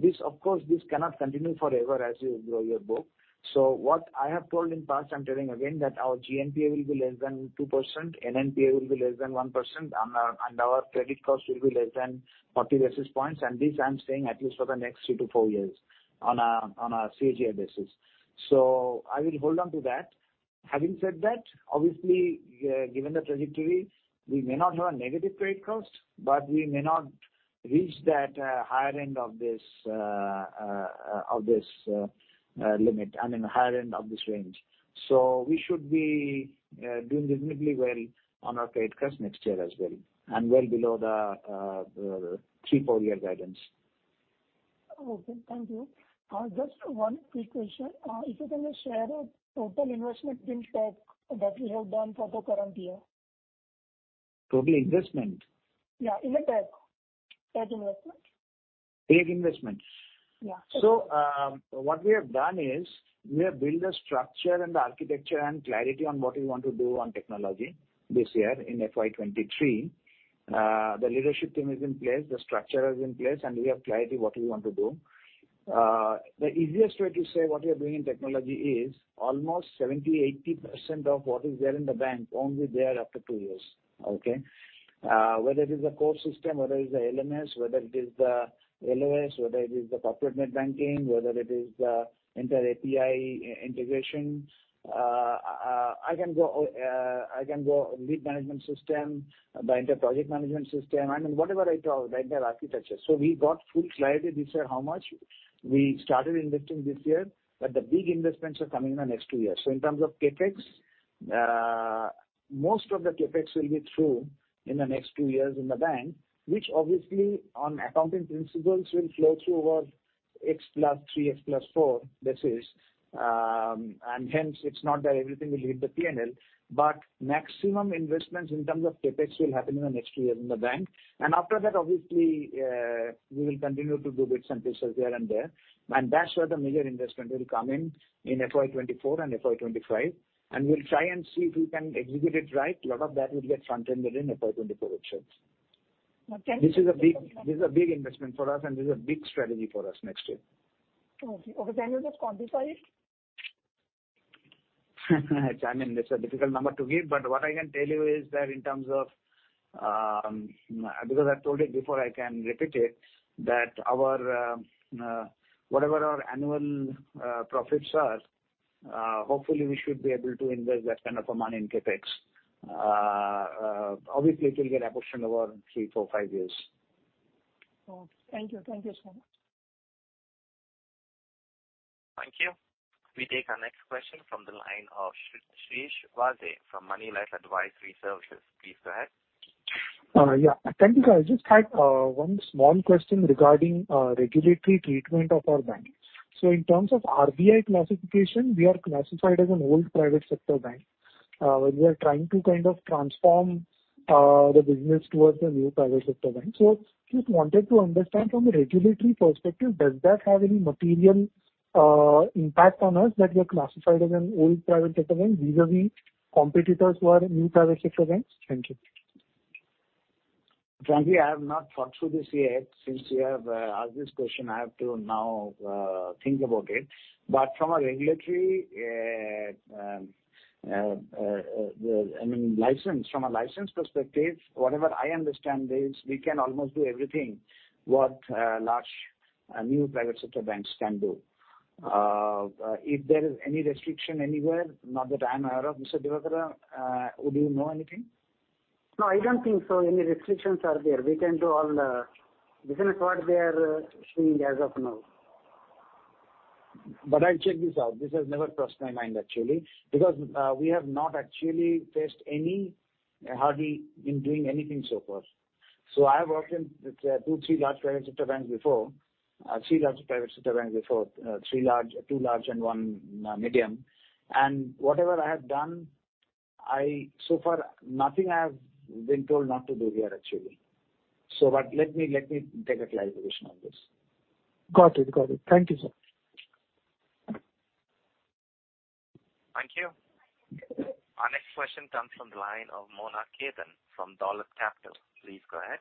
C: This, of course, cannot continue forever as you grow your book. What I have told in past, I'm telling again, that our GNPA will be less than 2%, NNPA will be less than 1% and our credit cost will be less than 40 basis points. This I'm saying at least for the next 2 to 4 years on a CAGA basis. I will hold on to that. Having said that, obviously, given the trajectory, we may not have a negative credit cost, but we may not reach that, higher end of this, of this, limit, I mean, higher end of this range. We should be doing reasonably well on our credit cost next year as well, and well below the three, four-year guidance.
K: Okay. Thank you. Just one quick question. If you can share a total investment in tech that you have done for the current year?
C: Total investment?
K: Yeah. In the tech. Tech investment.
C: Big investment.
K: Yeah.
C: What we have done is we have built a structure and architecture and clarity on what we want to do on technology this year in FY 23. The leadership team is in place, the structure is in place, and we have clarity what we want to do. The easiest way to say what we are doing in technology is almost 70, 80% of what is there in the bank won't be there after two years. Okay? Whether it is a core system, whether it's the LMS, whether it is the LOS, whether it is the corporate net banking, whether it is the inter-API integration. I can go risk management system, the inter project management system, I mean, whatever I talk, the entire architecture. We got full clarity this year how much we started investing this year, but the big investments are coming in the next two years. In terms of CapEx, most of the CapEx will be through in the next two years in the bank, which obviously on accounting principles will flow through over x +3, x +4 basis. Hence it's not that everything will hit the P&L, but maximum investments in terms of CapEx will happen in the next two years in the bank. After that, obviously, we will continue to do bits and pieces here and there. That's where the major investment will come in in FY 2024 and FY 2025. We'll try and see if we can execute it right. A lot of that will get front-ended in FY 2024 itself.
K: Okay.
C: This is a big investment for us, and this is a big strategy for us next year.
K: Okay. Can you just quantify it?
C: I mean, that's a difficult number to give, but what I can tell you is that in terms of, because I told it before, I can repeat it, that whatever our annual profits are, hopefully we should be able to invest that kind of amount in CapEx. Obviously it will get apportioned over three, four, five years.
K: Oh, thank you. Thank you so much.
A: Thank you. We take our next question from the line of Shirish Vaze from Moneylife Advisory Services. Please go ahead.
H: Yeah. Thank you, Sir. I just had one small question regarding regulatory treatment of our bank. In terms of RBI classification, we are classified as an old private sector bank. We are trying to kind of transform the business towards a new private sector bank. Just wanted to understand from a regulatory perspective, does that have any material impact on us that we are classified as an old private sector bank vis-à-vis competitors who are new private sector banks? Thank you.
C: Frankly, I have not thought through this yet. Since you have asked this question, I have to now think about it. From a regulatory, I mean, license, from a license perspective, whatever I understand is we can almost do everything what large new private sector banks can do. If there is any restriction anywhere, not that I am aware of. Mr. Divakara, would you know anything?
D: No, I don't think so any restrictions are there. We can do all the business what they are doing as of now.
C: I'll check this out. This has never crossed my mind, actually, because we have not actually faced any hurdle in doing anything so far. I have worked in with two, three large private sector banks before. Three large private sector banks before. Three large, two large and one medium. Whatever I have done, I so far nothing I have been told not to do here actually. Let me take a clarification on this.
H: Got it. Got it. Thank you, Sir.
A: Thank you. Our next question comes from the line of Mona Khetan from Dolat Capital. Please go ahead.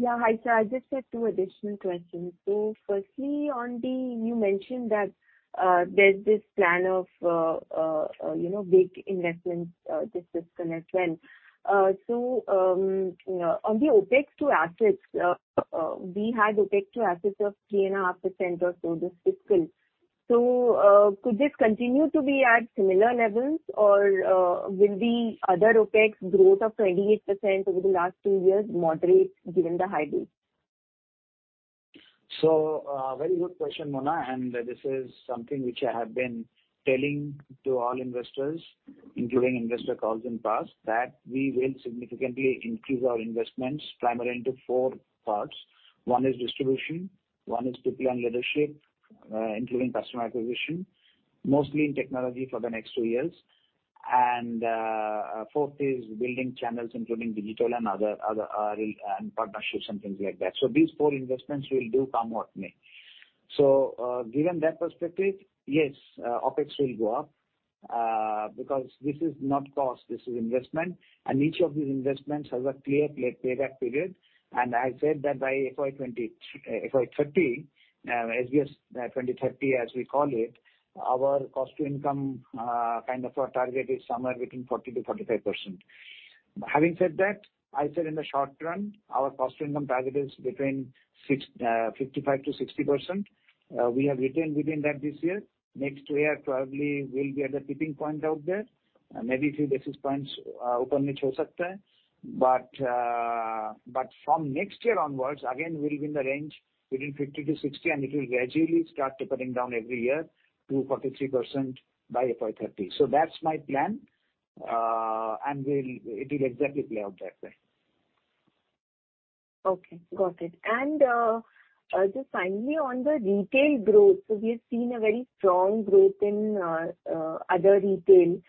I: Yeah. Hi, Sir. I just had two additional questions. Firstly, you mentioned that there's this plan of, you know, big investments this fiscal as well. On the OpEx to assets, we had OpEx to assets of 3.5% or so this fiscal. Could this continue to be at similar levels or will the other OpEx growth of 28% over the last two years moderate given the high base?
C: Very good question, Mona, and this is something which I have been telling to all investors, including investor calls in past, that we'll significantly increase our investments primarily into 4 parts. One is distribution, one is people and leadership, including customer acquisition, mostly in technology for the next two years. Fourth is building channels, including digital and other, and partnerships and things like that. These 4 investments we'll do come what may. Given that perspective, yes, OpEx will go up, because this is not cost, this is investment. Each of these investments has a clear payback period. I said that by FY 2030, SBS 2030, as we call it, our cost to income, kind of our target is somewhere between 40%-45%. Having said that, I said in the short run, our cost to income target is between 55%-60%. We have retained within that this year. Next year, probably we'll be at the tipping point out there. Maybe 3 basis points up and which from next year onwards, again, we'll be in the range between 50%-60%, and it will gradually start tapering down every year to 43% by FY 2030. That's my plan. It will exactly play out that way.
I: Okay, got it. Just finally on the retail growth. We have seen a very strong growth in other retail.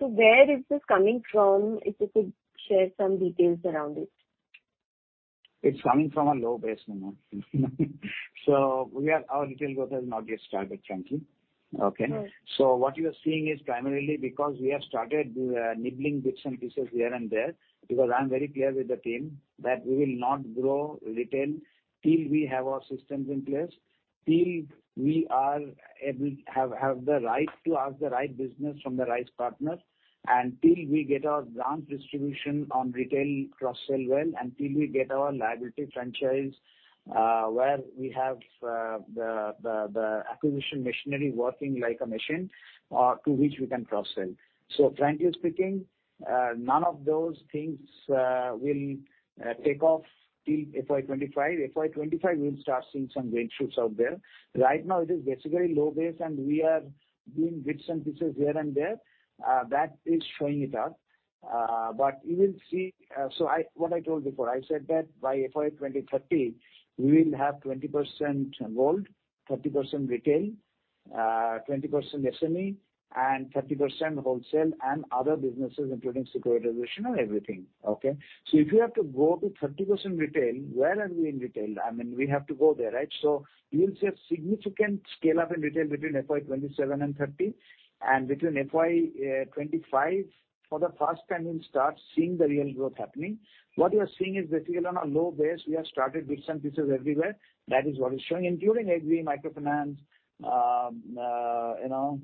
I: Where is this coming from? If you could share some details around it.
C: It's coming from a low base, Neema. Our retail growth has not yet started frankly. Okay?
I: Right.
C: What you are seeing is primarily because we have started nibbling bits and pieces here and there, because I'm very clear with the team that we will not grow retail till we have our systems in place, till we have the right to ask the right business from the right partner, and till we get our branch distribution on retail cross-sell well, and till we get our liability franchise, where we have the acquisition machinery working like a machine, to which we can cross-sell. Frankly speaking, none of those things will take off till FY 2025. FY 2025, we'll start seeing some green shoots out there. Right now it is basically low base, and we are doing bits and pieces here and there. That is showing it up. You will see. I what I told before, I said that by FY 2030, we will have 20% gold, 30% retail, 20% SME and 30% wholesale and other businesses, including securitization and everything. Okay? If you have to go to 30% retail, where are we in retail? I mean, we have to go there, right? You'll see a significant scale up in retail between FY 2027 and 2030, and between FY 2025 for the first time we'll start seeing the real growth happening. What you are seeing is basically on a low base. We have started bits and pieces everywhere. That is what is showing, including AGRI, microfinance, you know,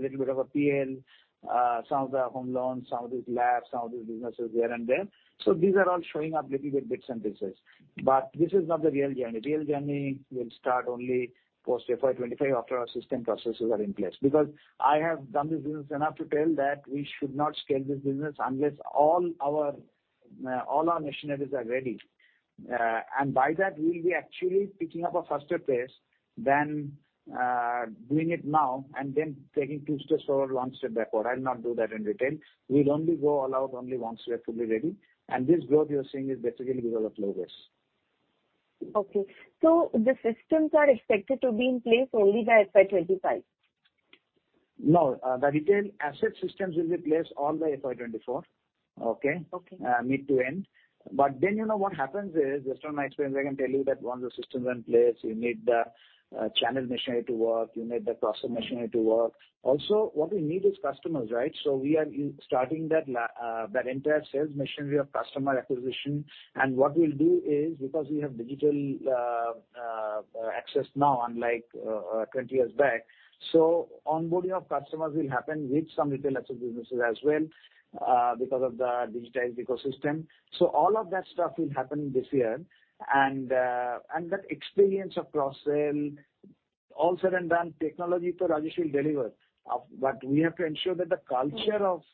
C: little bit of a PL, some of the home loans, some of these labs, some of these businesses here and there. These are all showing up little bit bits and pieces. This is not the real journey. Real journey will start only post FY 2025 after our system processes are in place. I have done this business enough to tell that we should not scale this business unless all our machineries are ready. By that we will be actually picking up a faster pace than doing it now and then taking two steps forward, one step backward. I'll not do that in retail. We'll only go all out only once we are fully ready. This growth you are seeing is basically because of low base.
I: Okay. The systems are expected to be in place only by FY 2025?
C: No. The retail asset systems will be placed all by FY 2024. Okay?
I: Okay.
C: Mid to end. You know what happens is, based on my experience, I can tell you that once the systems are in place, you need the channel machinery to work, you need the process machinery to work. Also, what we need is customers, right? We are starting that entire sales machinery of customer acquisition. What we'll do is because we have digital access now unlike 20 years back, so onboarding of customers will happen with some retail asset businesses as well because of the digitized ecosystem. All of that stuff will happen this year. That experience of cross-sell, all said and done technology to Raju will deliver. We have to ensure that the culture-
I: Mm-hmm.
C: Of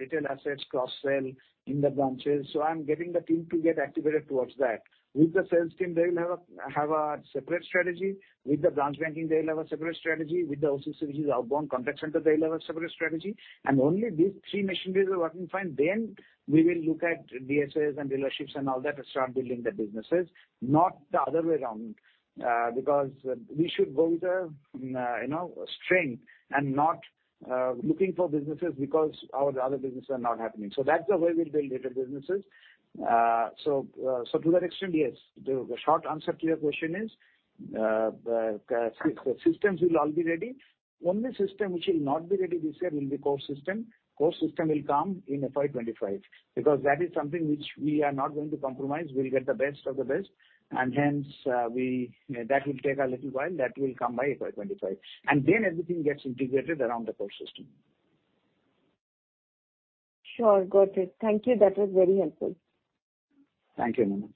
C: retail assets cross-sell in the branches. I'm getting the team to get activated towards that. With the sales team, they will have a separate strategy. With the branch banking, they will have a separate strategy. With the OCC, which is outbound contact center, they'll have a separate strategy. Only these three machineries are working fine, then we will look at DSS and dealerships and all that to start building the businesses, not the other way around. Because we should go with the, you know, strength and not looking for businesses because our other businesses are not happening. That's the way we'll build retail businesses. So to that extent, yes. The short answer to your question is, the systems will all be ready. Only system which will not be ready this year will be core system. Core system will come in FY 2025 because that is something which we are not going to compromise. We'll get the best of the best and hence, that will take a little while. That will come by FY 2025. Then everything gets integrated around the core system.
I: Sure. Got it. Thank you. That was very helpful.
C: Thank you, Neema.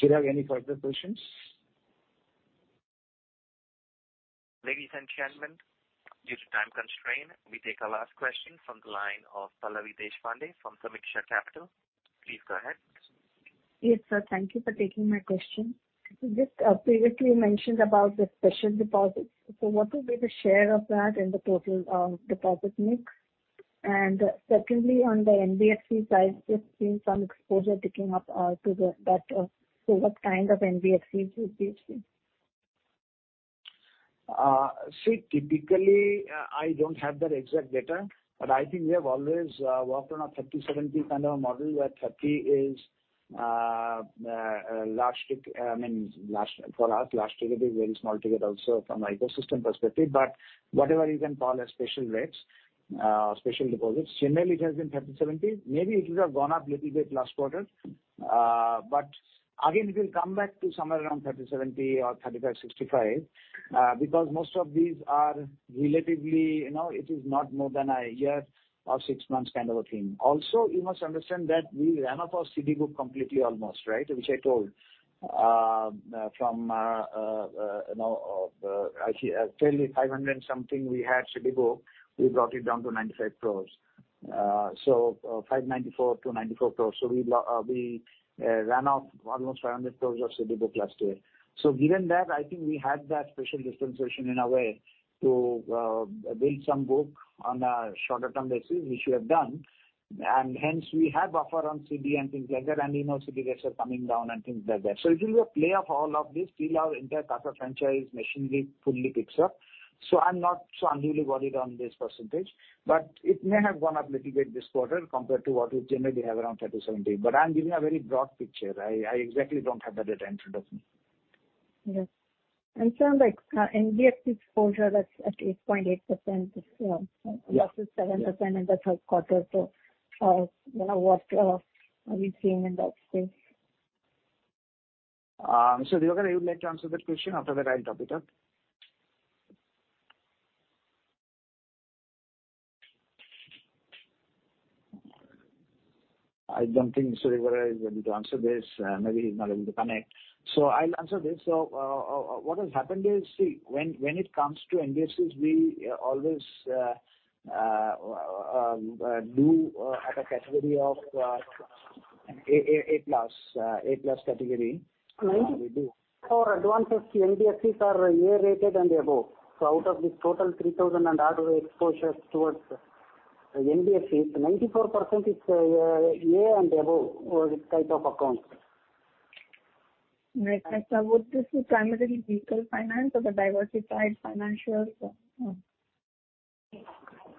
C: Chirag, any further questions?
A: Ladies and gentlemen, due to time constraint, we take our last question from the line of Pallavi Deshpande from Sameeksha Capital. Please go ahead.
G: Yes, Sir. Thank you for taking my question. Previously you mentioned about the special deposits. What will be the share of that in the total deposit mix? Secondly, on the NBFC side, we've seen some exposure ticking up to the that. What kind of NBFCs would be it?
C: See, typically, I don't have that exact data, but I think we have always worked on a 30-70 kind of model where 30 is last week, I mean, last for us, last week it is very small ticket also from an ecosystem perspective. Whatever you can call as special rates, special deposits, generally it has been 30-70. Maybe it would have gone up little bit last quarter. Again, it will come back to somewhere around 30-70 or 35-65, because most of these are relatively, you know, it is not more than 1 year or 6 months kind of a thing. You must understand that we ran up our CD book completely, almost, right? Which I told. From, you know, actually fairly 500 something we had CD book, we brought it down to 95 crores. 594 to 94 crores. We ran off almost 500 crores of CD book last year. Given that, I think we had that special dispensation in a way to build some book on a shorter term basis, which we have done. Hence we have buffer on CD and things like that. You know, CD rates are coming down and things like that. It will be a play of all of this till our entire CASA franchise machinery fully picks up. I'm not so unduly worried on this percentage, but it may have gone up little bit this quarter compared to what we generally have around 30-70. I'm giving a very broad picture. I exactly don't have the data in front of me.
G: Yes. Sir, like, NBFC exposure that's at 8.8%.
C: Yes.
G: It was at 7% in the third quarter. you know, what are we seeing in that space?
C: Divakara, you would like to answer that question? After that I'll top it up. I don't think Sri Divakara is able to answer this. Maybe he's not able to connect, so I'll answer this. What has happened is, see, when it comes to NBFCs, we always do at a category of A plus category.
G: Ninety-
C: We do. Our advances to NBFCs are A-rated and above. Out of this total 3,000 and odd exposures towards NBFCs, 94% is A and above type of accounts.
G: Right. Sir, would this be primarily vehicle finance or the diversified financials?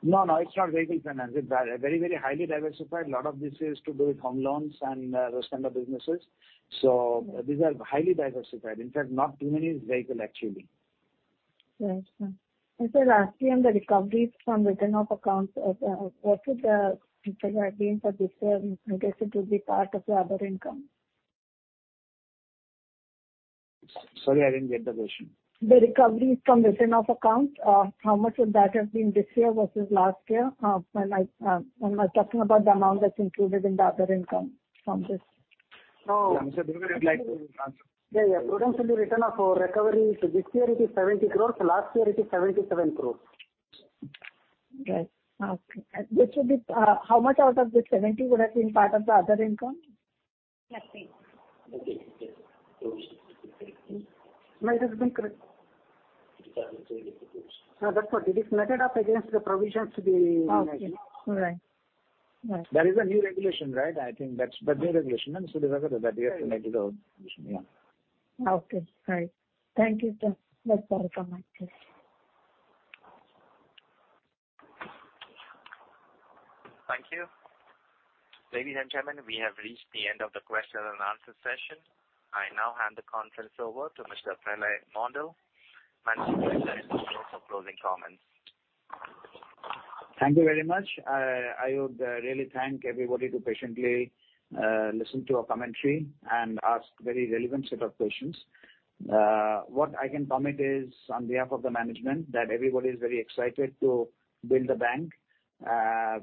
C: No, no, it's not vehicle finance. It's very, very highly diversified. Lot of this is to do with home loans and those kind of businesses. These are highly diversified. In fact, not too many is vehicle actually.
G: Yes, Sir. Sir, lastly, on the recoveries from written off accounts, what would recovery have been for this year? I guess it will be part of the other income.
C: Sorry, I didn't get the question.
G: The recoveries from written off accounts, how much would that have been this year versus last year? When we're talking about the amount that's included in the other income from this.
C: Yeah. Mr. Divakara, you would like to answer?
G: Yeah, yeah. Provisionally written off or recovery. This year it is 70 crores. Last year it is 77 crores.
C: Right. Okay. Which would be, how much out of the 70 would have been part of the other income?
G: Nothing. Might have been correct. That's what. It is netted off against the provisions to be made.
C: Okay. All right. Right.
G: That is a new regulation, right? I think that's the new regulation. Sri Divakara that we have to make it out. Yeah.
C: Okay. Right. Thank you, Sir. That's all from my side.
A: Thank you. Ladies and gentlemen, we have reached the end of the question and answer session. I now hand the conference over to Mr. Pralay Mondal, Managing Director and CEO, for closing comments.
C: Thank you very much. I would really thank everybody to patiently listen to our commentary and ask very relevant set of questions. What I can commit is, on behalf of the management, that everybody is very excited to build the bank,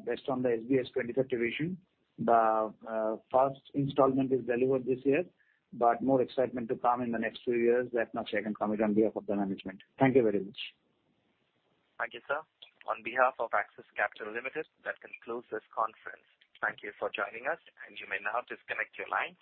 C: based on the SBS 2030 vision. The first installment is delivered this year. More excitement to come in the next few years. That much I can commit on behalf of the management. Thank you very much.
A: Thank you, Sir. On behalf of Axis Capital Limited, that concludes this conference. Thank you for joining us, and you may now disconnect your lines.